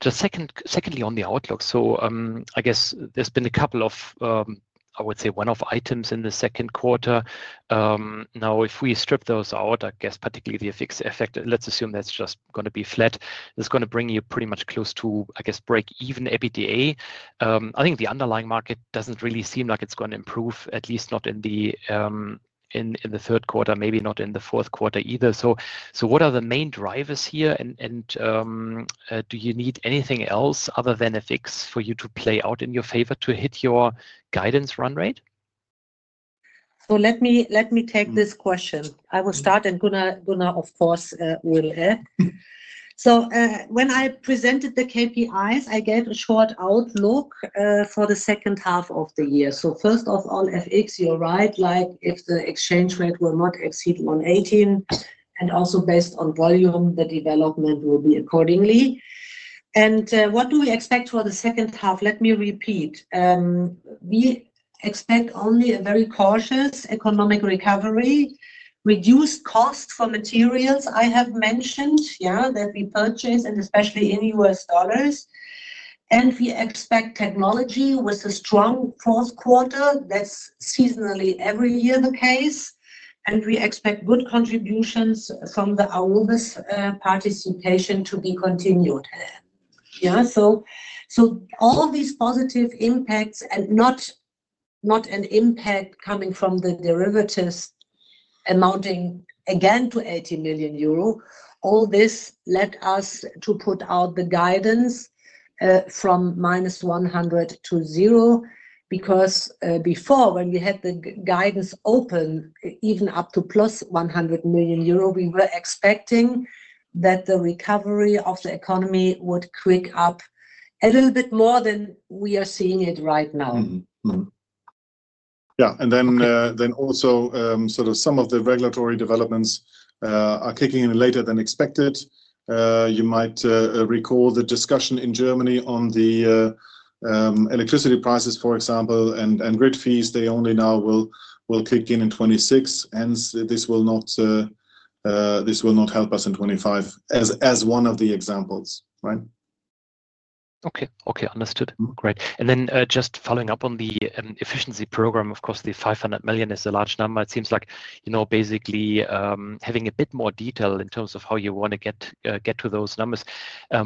Just secondly on the outlook, I guess there's been a couple of, I would say, one-off items in the second quarter. If we strip those out, particularly the FX effect, let's assume that's just going to be flat. It's going to bring you pretty much close to, I guess, break even EBITDA. I think the underlying market doesn't really seem like it's going to improve, at least not in the third quarter, maybe not in the fourth quarter either. What are the main drivers here? Do you need anything else other than FX for you to play out in your favor to hit your guidance run rate? Let me take this question. I will start, and Gunnar, of course, will. When I presented the KPIs, I gave a short outlook for the second half of the year. First off, on FX, you're right, if the exchange rate will not exceed $1.18. Also, based on volume, the development will be accordingly. What do we expect for the second half? Let me repeat. We expect only a very cautious economic recovery, reduced costs for materials. I have mentioned that we purchase, especially in US dollars. We expect technology with a strong cross quarter. That's seasonally every year the case. We expect good contributions from the Aurubis participation to be continued. All the positive impacts and not an impact coming from the derivatives amounting again to 80 million euro. All this led us to put out the guidance from -100 million to 0 because before, when we had the guidance open, even up to +100 million euro, we were expecting that the recovery of the economy would creep up a little bit more than we are seeing it right now. Some of the regulatory developments are kicking in later than expected. You might recall the discussion in Germany on the electricity prices, for example, and grid fees. They only now will kick in in 2026. Hence, this will not help us in 2025, as one of the examples, right? Okay, understood. Great. Just following up on the efficiency program, of course, the 500 million is a large number. It seems like, you know, basically having a bit more detail in terms of how you want to get to those numbers.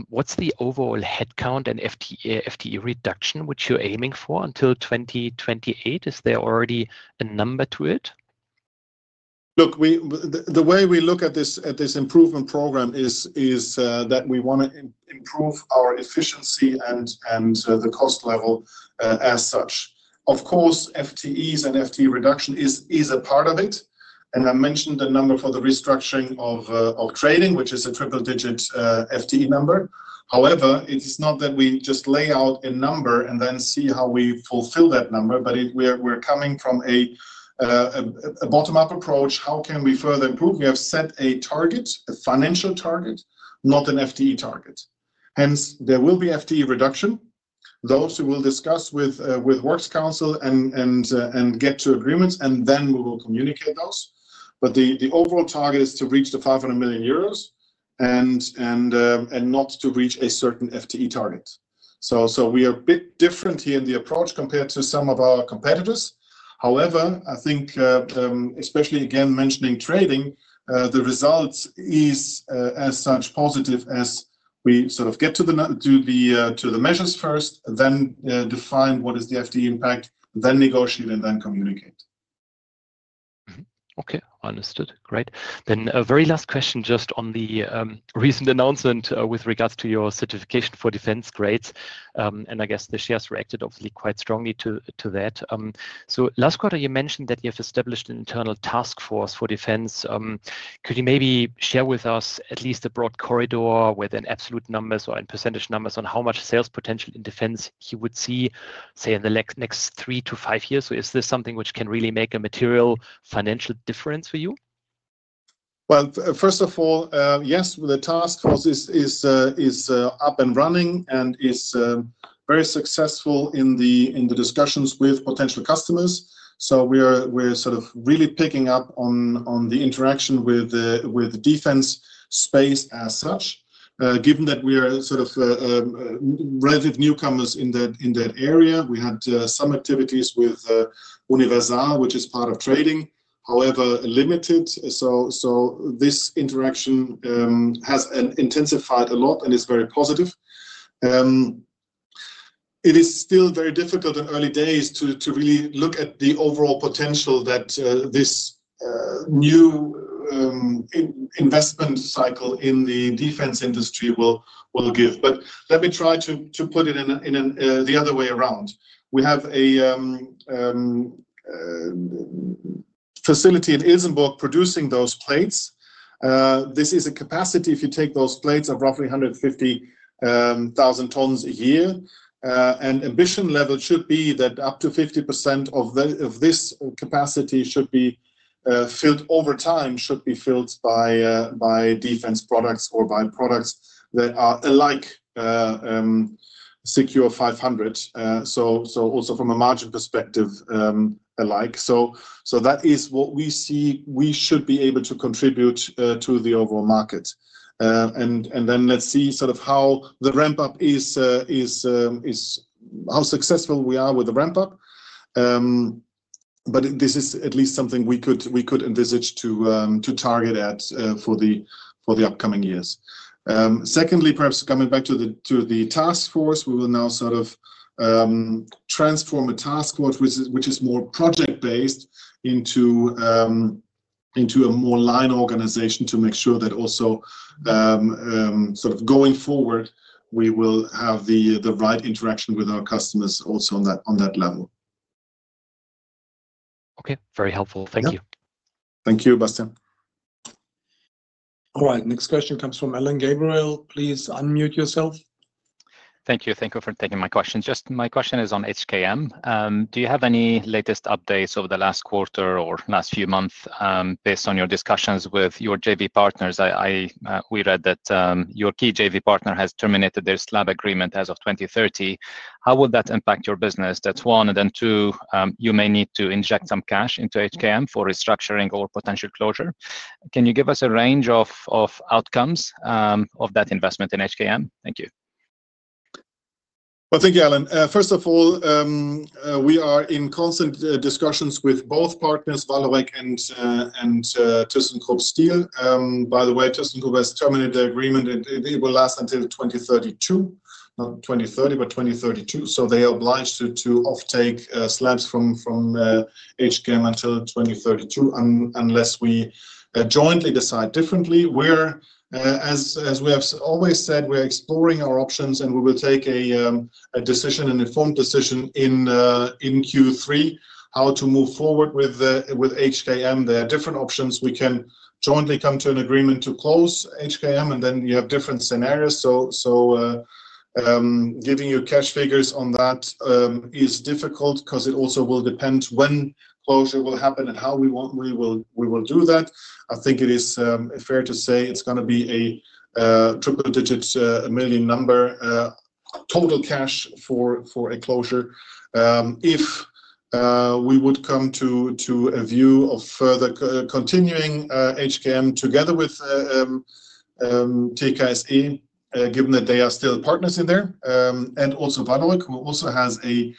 What's the overall headcount and FTE reduction which you're aiming for until 2028? Is there already a number to it? Look, the way we look at this improvement program is that we want to improve our efficiency and the cost level as such. Of course, FTEs and FTE reduction is a part of it. I mentioned the number for the restructuring of trading, which is a triple-digit FTE number. However, it is not that we just lay out a number and then see how we fulfill that number, but we're coming from a bottom-up approach. How can we further improve? We have set a target, a financial target, not an FTE target. Hence, there will be FTE reduction. Those we will discuss with Works Council and get to agreements, and then we will communicate those. The overall target is to reach the 500 million euros and not to reach a certain FTE target. We are a bit different here in the approach compared to some of our competitors. I think, especially again mentioning trading, the results are as such positive as we sort of get to the measures first, then define what is the FTE impact, then negotiate, and then communicate. Okay, understood. Great. A very last question just on the recent announcement with regards to your certification for defense grades. I guess the shares reacted obviously quite strongly to that. Last quarter, you mentioned that you have established an internal task force for defense. Could you maybe share with us at least a broad corridor within absolute numbers or in percentage numbers on how much sales potential in defense you would see, say, in the next three to five years? Is this something which can really make a material financial difference for you? First of all, yes, the task force is up and running and is very successful in the discussions with potential customers. We're really picking up on the interaction with the defense space as such. Given that we are relative newcomers in that area, we had some activities with Universal, which is part of trading, however, limited. This interaction has intensified a lot and is very positive. It is still very difficult in early days to really look at the overall potential that this new investment cycle in the defense industry will give. Let me try to put it the other way around. We have a facility in Isenburg producing those plates. This is a capacity, if you take those plates, of roughly 150,000 tons a year. Ambition level should be that up to 50% of this capacity should be filled over time, should be filled by defense products or by products that are alike Secure 500, also from a margin perspective alike. That is what we see. We should be able to contribute to the overall market. Let's see how the ramp-up is, how successful we are with the ramp-up. This is at least something we could envisage to target at for the upcoming years. Secondly, perhaps coming back to the task force, we will now transform a task force, which is more project-based, into a more line organization to make sure that also going forward, we will have the right interaction with our customers also on that level. Okay. Very helpful. Thank you. Thank you, Bastian. All right. Next question comes from Alain Gabriel. Please unmute yourself. Thank you. Thank you for taking my questions. My question is on HKM. Do you have any latest updates over the last quarter or last few months based on your discussions with your JV partners? We read that your key JV partner has terminated their SLAB agreement as of 2030. How would that impact your business? That's one. You may need to inject some cash into HKM for restructuring or potential closure. Can you give us a range of outcomes of that investment in HKM? Thank you. Thank you, Alain. First of all, we are in constant discussions with both partners, Valavek and ThyssenKrupp Steel. By the way, ThyssenKrupp has terminated the agreement. It will last until 2032, not 2030, but 2032. They are obliged to off-take slabs from HKM until 2032 unless we jointly decide differently. As we have always said, we are exploring our options, and we will take a decision, an informed decision in Q3 how to move forward with HKM. There are different options. We can jointly come to an agreement to close HKM, and then you have different scenarios. Giving you cash figures on that is difficult because it also will depend when closure will happen and how we will do that. I think it is fair to say it is going to be a triple-digit million number total cash for a closure if we would come to a view of further continuing HKM together with TKSE, given that they are still partners in there. Also, Valavek, who also has a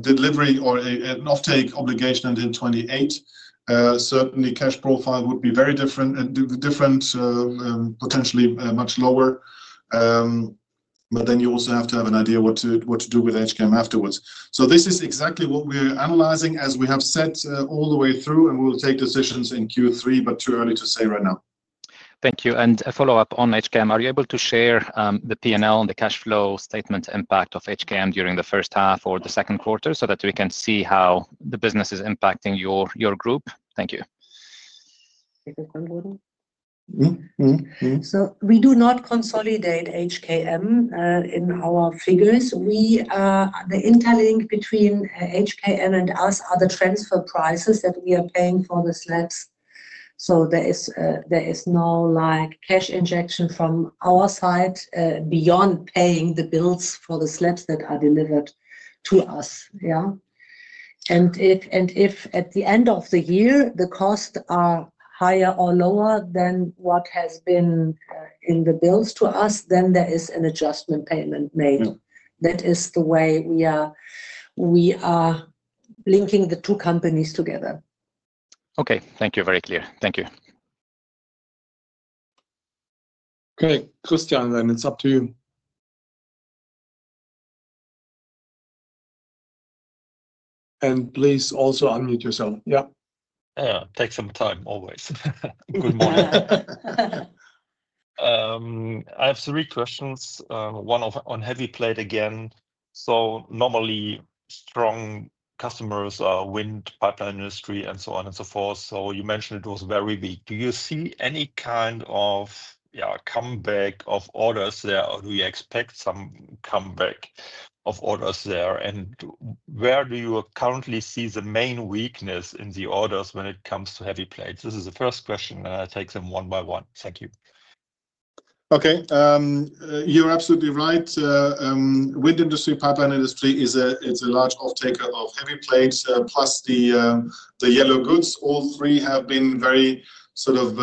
delivery or an off-take obligation until 2028. Certainly, cash profile would be very different and potentially much lower. You also have to have an idea of what to do with HKM afterwards. This is exactly what we are analyzing, as we have said all the way through, and we will take decisions in Q3, but it is too early to say right now. Thank you. A follow-up on HKM. Are you able to share the P&L and the cash flow statement impact of HKM during the first half or the second quarter so that we can see how the business is impacting your group? Thank you. We do not consolidate HKM in our figures. The interlink between HKM and us are the transfer prices that we are paying for the slabs. There is no cash injection from our side beyond paying the bills for the slabs that are delivered to us. If at the end of the year, the costs are higher or lower than what has been in the bills to us, then there is an adjustment payment made. That is the way we are linking the two companies together. Okay. Thank you. Very clear. Thank you. Okay. Christian, it's up to you. Please also unmute yourself. Yeah, takes some time always. Good morning. I have three questions. One on heavy plate again. Normally, strong customers are wind, pipeline industry, and so on and so forth. You mentioned it was very weak. Do you see any kind of comeback of orders there, or do you expect some comeback of orders there? Where do you currently see the main weakness in the orders when it comes to heavy plates? This is the first question, and I'll take them one by one. Thank you. You're absolutely right. Wind industry, pipeline industry, is a large off-taker of heavy plates. Plus the yellow goods, all three have been very sort of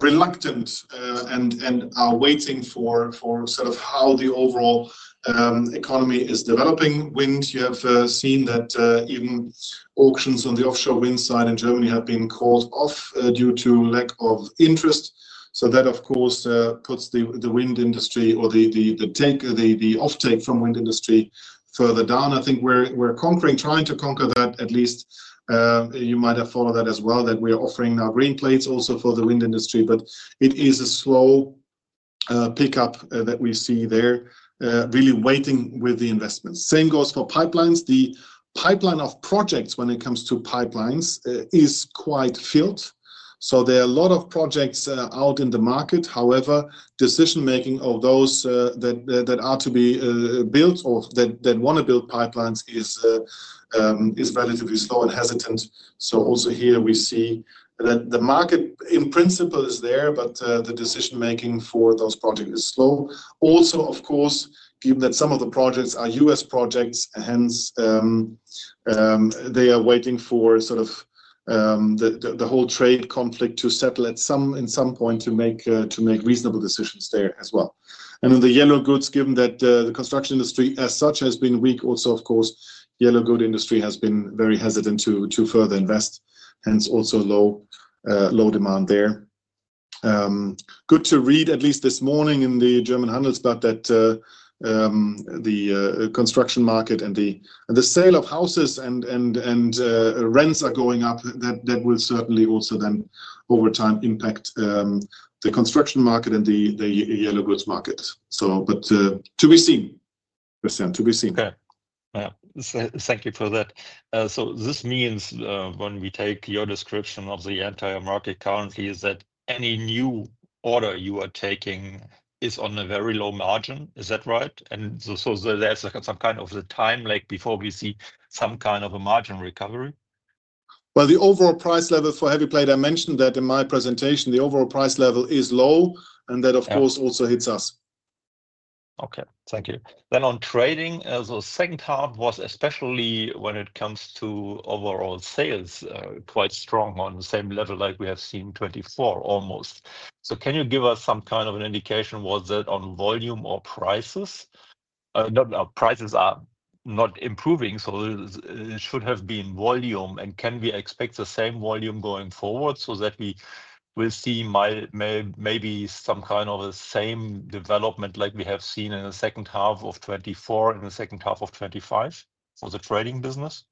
reluctant and are waiting for how the overall economy is developing. Wind, you have seen that even auctions on the offshore wind side in Germany have been called off due to lack of interest. That, of course, puts the wind industry or the off-take from wind industry further down. I think we're trying to conquer that at least. You might have followed that as well, that we are offering now green plates also for the wind industry. It is a slow pickup that we see there, really waiting with the investments. Same goes for pipelines. The pipeline of projects when it comes to pipelines is quite filled. There are a lot of projects out in the market. However, decision-making of those that are to be built or then want to build pipelines is relatively slow and hesitant. Here, we see that the market in principle is there, but the decision-making for those projects is slow. Also, of course, given that some of the projects are US projects, hence they are waiting for the whole trade conflict to settle at some point to make reasonable decisions there as well. The yellow goods, given that the construction industry as such has been weak, also, of course, the yellow goods industry has been very hesitant to further invest. Hence, also low demand there. Good to read, at least this morning in the German Handelsblatt, that the construction market and the sale of houses and rents are going up. That will certainly also then, over time, impact the construction market and the yellow goods market. To be seen, Bastian, to be seen. Thank you for that. This means when we take your description of the entire market currently, is that any new order you are taking is on a very low margin. Is that right? There's some kind of a time lag before we see some kind of a margin recovery? The overall price level for heavy plate, I mentioned that in my presentation, the overall price level is low, and that, of course, also hits us. Thank you. On trading, the second half was especially, when it comes to overall sales, quite strong on the same level like we have seen 2024 almost. Can you give us some kind of an indication? Was it on volume or prices? Our prices are not improving, so it should have been volume. Can we expect the same volume going forward so that we will see maybe some kind of the same development like we have seen in the second half of 2024 and the second half of 2025 for the trading business?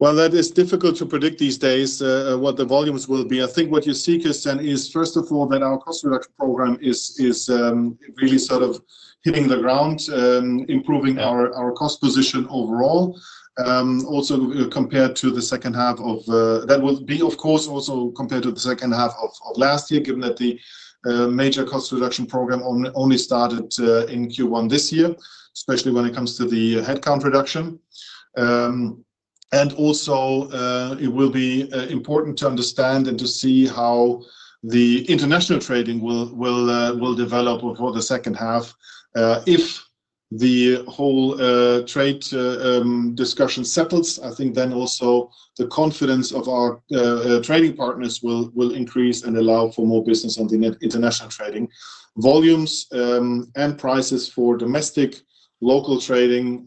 That is difficult to predict these days what the volumes will be. I think what you see, Christian, is first of all that our cost reduction program is really sort of hitting the ground, improving our cost position overall. Also, compared to the second half of last year, given that the major cost reduction program only started in Q1 this year, especially when it comes to the headcount reduction. It will be important to understand and to see how the international trading will develop for the second half. If the whole trade discussion settles, I think then also the confidence of our trading partners will increase and allow for more business on the international trading volumes and prices for domestic local trading.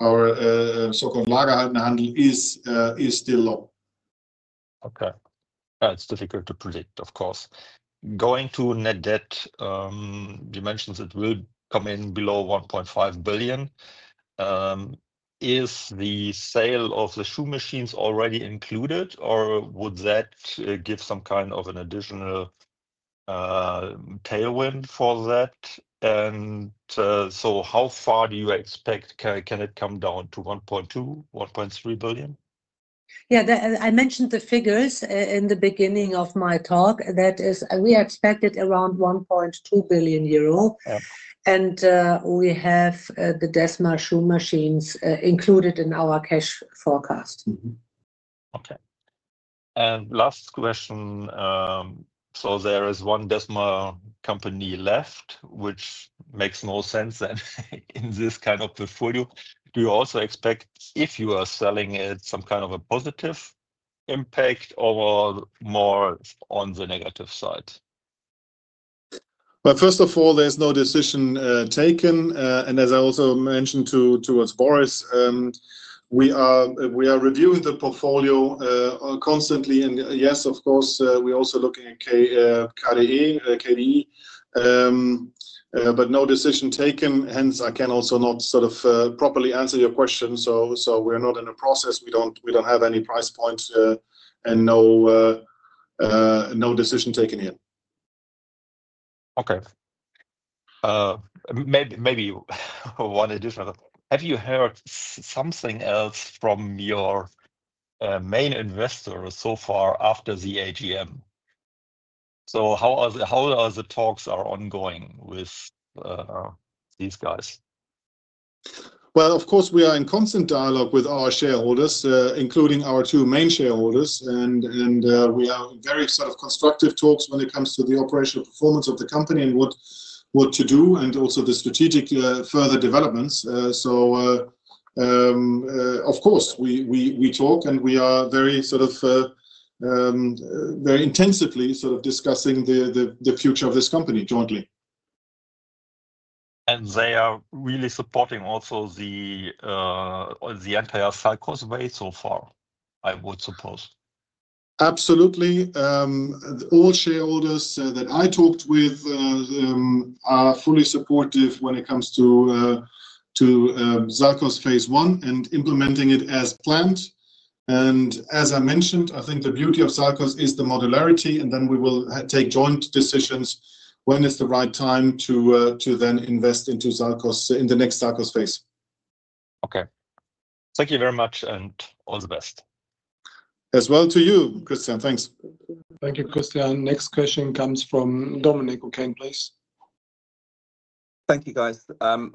Our so-called Lagerhallenhandel is still low. Okay. It's difficult to predict, of course. Going to net debt, you mentioned it will come in below 1.5 billion. Is the sale of the shoe machines already included, or would that give some kind of an additional tailwind for that? How far do you expect? Can it come down to 1.2, 1.3 billion? Yeah, I mentioned the figures in the beginning of my talk. That is, we expect it around 1.2 billion euro. We have the Desma Shoe Machines included in our cash forecast. Okay. Last question. There is one Desma company left, which makes more sense in this kind of portfolio. Do you also expect, if you are selling it, some kind of a positive impact or more on the negative side? First of all, there's no decision taken. As I also mentioned towards Boris, we are reviewing the portfolio constantly. Yes, of course, we're also looking at KHS, but no decision taken. Hence, I can also not sort of properly answer your question. We're not in a process. We don't have any price points and no decision taken yet. Okay. Maybe one additional. Have you heard something else from your main investor so far after the AGM? How are the talks ongoing with these guys? We are in constant dialogue with our shareholders, including our two main shareholders. We have very self-constructive talks when it comes to the operational performance of the company and what to do and also the strategic further developments. Of course, we talk and we are very intensively discussing the future of this company jointly. They are really supporting also the entire Zalcos way so far, I would suppose. Absolutely. All shareholders that I talked with are fully supportive when it comes to Zalcos phase one and implementing it as planned. I think the beauty of Zalcos is the modularity, and we will take joint decisions when it's the right time to then invest into Zalcos in the next Zalcos phase. Okay, thank you very much and all the best. As well to you, Christian. Thanks. Thank you, Christian. Next question comes from Dominic O'Kane, please. Thank you, guys.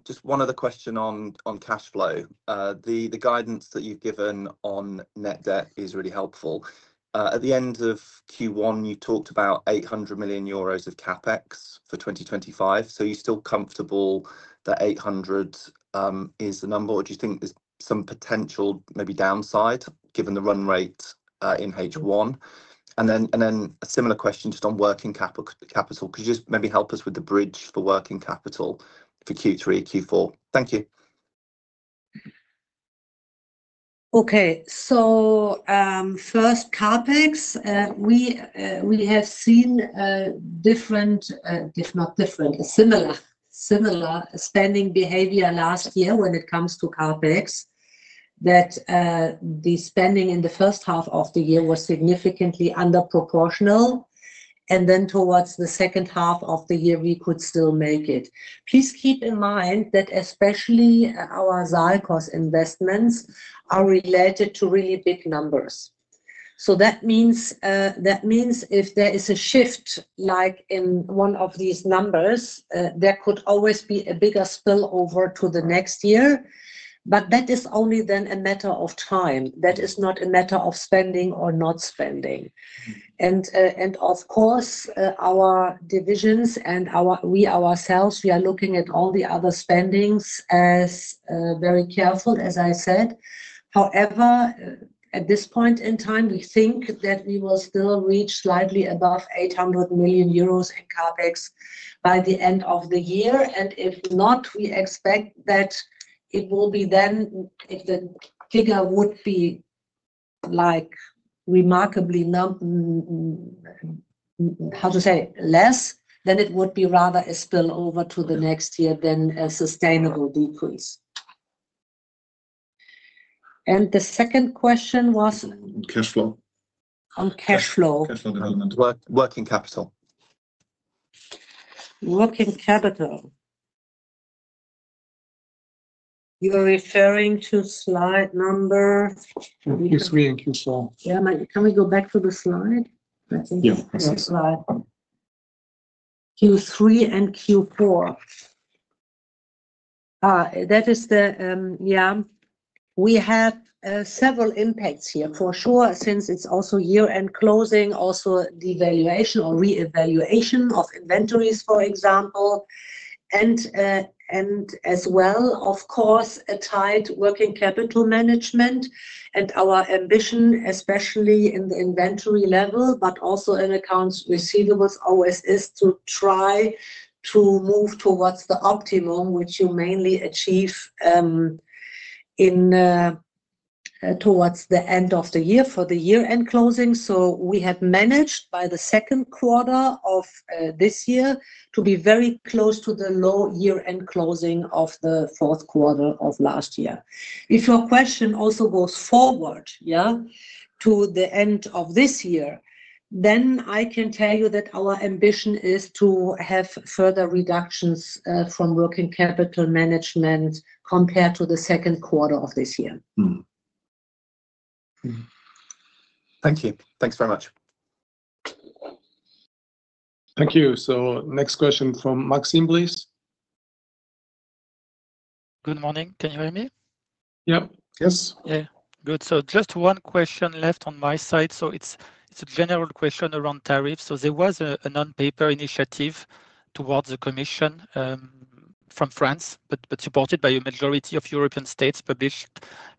Just one other question on cash flow. The guidance that you've given on net debt is really helpful. At the end of Q1, you talked about 800 million euros of CapEx for 2025. Are you still comfortable that 800 million is the number, or do you think there's some potential maybe downside given the run rate in H1? A similar question just on working capital. Could you maybe help us with the bridge for working capital for Q3, Q4? Thank you. Okay. First, CapEx. We have seen a similar spending behavior last year when it comes to CapEx, that the spending in the first half of the year was significantly underproportional. Towards the second half of the year, we could still make it. Please keep in mind that especially our Zalcos investments are related to really big numbers. That means if there is a shift in one of these numbers, there could always be a bigger spillover to the next year. That is only a matter of time, not a matter of spending or not spending. Of course, our divisions and we ourselves are looking at all the other spendings very carefully, as I said. However, at this point in time, we think that we will still reach slightly above 800 million euros in CapEx by the end of the year. If not, we expect that if the figure would be remarkably less, then it would be rather a spillover to the next year than a sustainable decrease. The second question was? Cash flow. On cash flow. Cash flow development. Working capital. Working capital. You are referring to slide number. Q3 and Q4. Can we go back to the slide? I think it's the slide, Q3 and Q4. That is the, yeah. We have several impacts here for sure since it's also year-end closing, also the evaluation or reevaluation of inventories, for example. As well, of course, a tight working capital management. Our ambition, especially in the inventory level, but also in accounts receivables, always is to try to move towards the optimum, which you mainly achieve towards the end of the year for the year-end closing. We have managed by the second quarter of this year to be very close to the low year-end closing of the fourth quarter of last year. If your question also goes forward, yeah, to the end of this year, then I can tell you that our ambition is to have further reductions from working capital management compared to the second quarter of this year. Thank you. Thanks very much. Thank you. Next question from Maxime, please. Good morning. Can you hear me? Yeah. Yes. Good. Just one question left on my side. It's a general question around tariffs. There was a non-paper initiative towards the Commission from France, but supported by a majority of European states published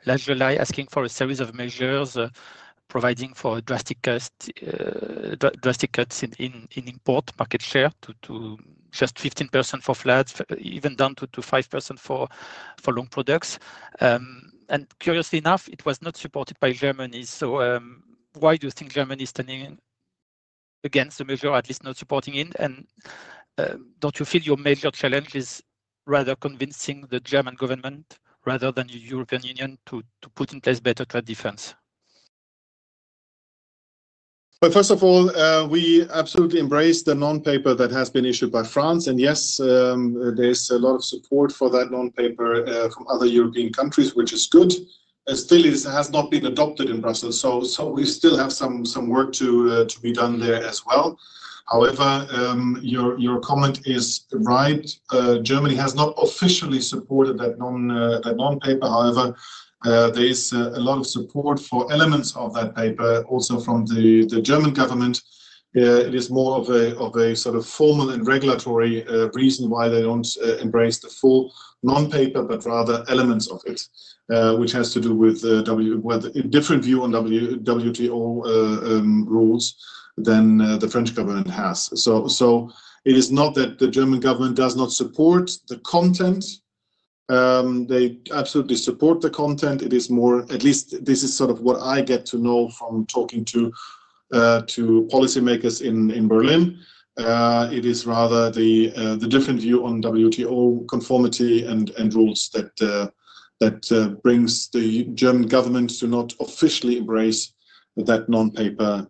last July, asking for a series of measures providing for drastic cuts in import market share to just 15% for flats, even down to 5% for long products. Curiously enough, it was not supported by Germany. Why do you think Germany is turning against the measure, at least not supporting it? Don't you feel your major challenge is rather convincing the German government rather than the European Union to put in place better trade defense? First of all, we absolutely embrace the non-paper that has been issued by France. Yes, there's a lot of support for that non-paper from other European countries, which is good. Still, it has not been adopted in Brussels, so we still have some work to be done there as well. However, your comment is right. Germany has not officially supported that non-paper. However, there is a lot of support for elements of that paper also from the German government. It is more of a sort of formal and regulatory reason why they don't embrace the full non-paper, but rather elements of it, which has to do with a different view on WTO rules than the French government has. It is not that the German government does not support the content. They absolutely support the content. It is more, at least this is sort of what I get to know from talking to policymakers in Berlin, it is rather the different view on WTO conformity and rules that brings the German government to not officially embrace that non-paper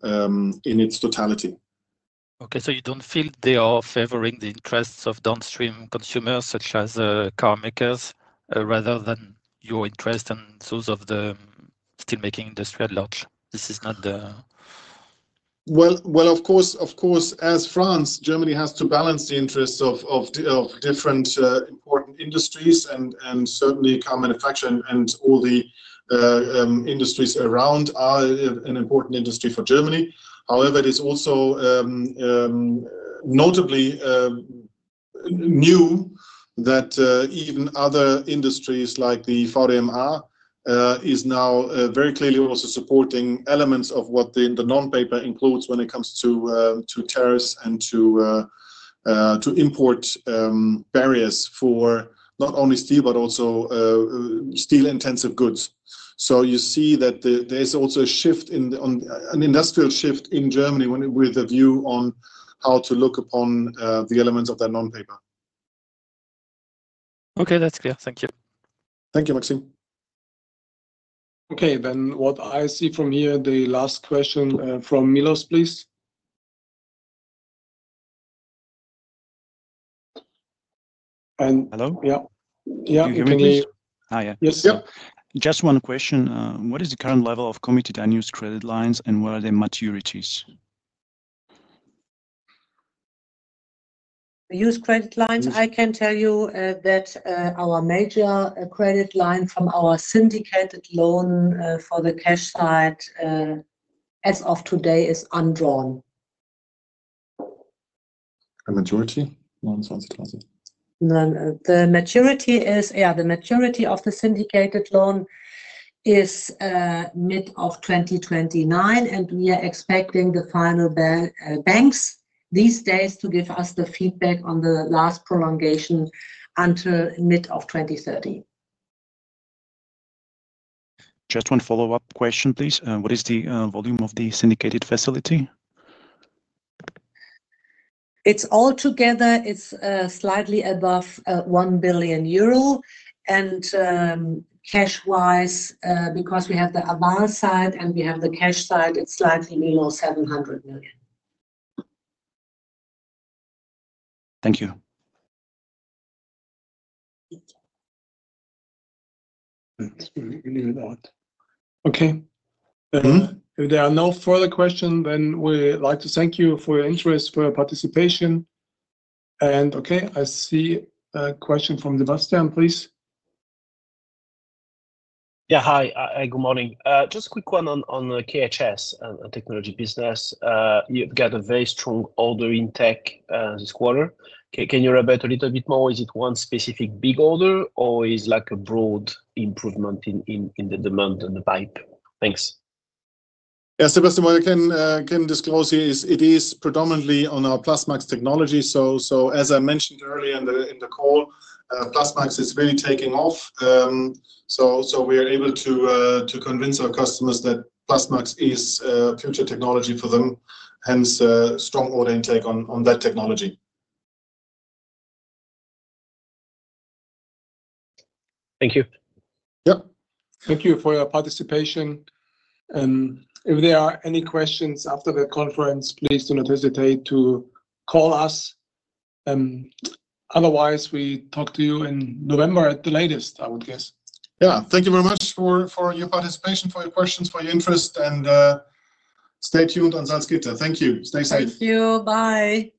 in its totality. Okay. You don't feel they are favoring the interests of downstream consumers such as car makers rather than your interest and those of the steelmaking industry at large? This is not the. Of course, as France, Germany has to balance the interests of different important industries. Certainly, car manufacturing and all the industries around are an important industry for Germany. However, it is also notably new that even other industries like the VDMR are now very clearly also supporting elements of what the non-paper includes when it comes to tariffs and to import barriers for not only steel, but also steel-intensive goods. You see that there's also a shift, an industrial shift in Germany with a view on how to look upon the elements of that non-paper. Okay. That's clear. Thank you. Thank you, Maxime. Okay. What I see from here, the last question from Milos, please. Hello? Yeah. Yeah. Can you hear me? Hi, yeah. Yes. Just one question. What is the current level of committed annual credit lines, and what are their maturities? The used credit lines, I can tell you that our major credit line from our syndicated loan for the cash side as of today is undrawn. A majority? No, the maturity of the syndicated loan is mid of 2029. We are expecting the final banks these days to give us the feedback on the last prolongation until mid of 2030. Just one follow-up question, please. What is the volume of the syndicated facility? It's altogether, it's slightly above EUR 1 billion. Cash-wise, because we have the avail side and we have the cash side, it's slightly below 700 million. Thank you. Okay. If there are no further questions, we'd like to thank you for your interest, for your participation. I see a question from Sebastian, please. Yeah. Hi. Good morning. Just a quick one on KHS and technology business. You've got a very strong order intake this quarter. Can you elaborate a little bit more? Is it one specific big order, or is it like a broad improvement in the demand and the pipeline? Thanks. The first thing I can disclose here is it is predominantly on our Plusmax technology. As I mentioned earlier in the call, Plusmax is really taking off. We are able to convince our customers that Plusmax is future technology for them. Hence, strong order intake on that technology. Thank you. Thank you for your participation. If there are any questions after the conference, please do not hesitate to call us. Otherwise, we talk to you in November at the latest, I would guess. Thank you very much for your participation, for your questions, for your interest. Stay tuned on Salzgitter. Thank you. Stay safe. Thank you. Bye. Bye.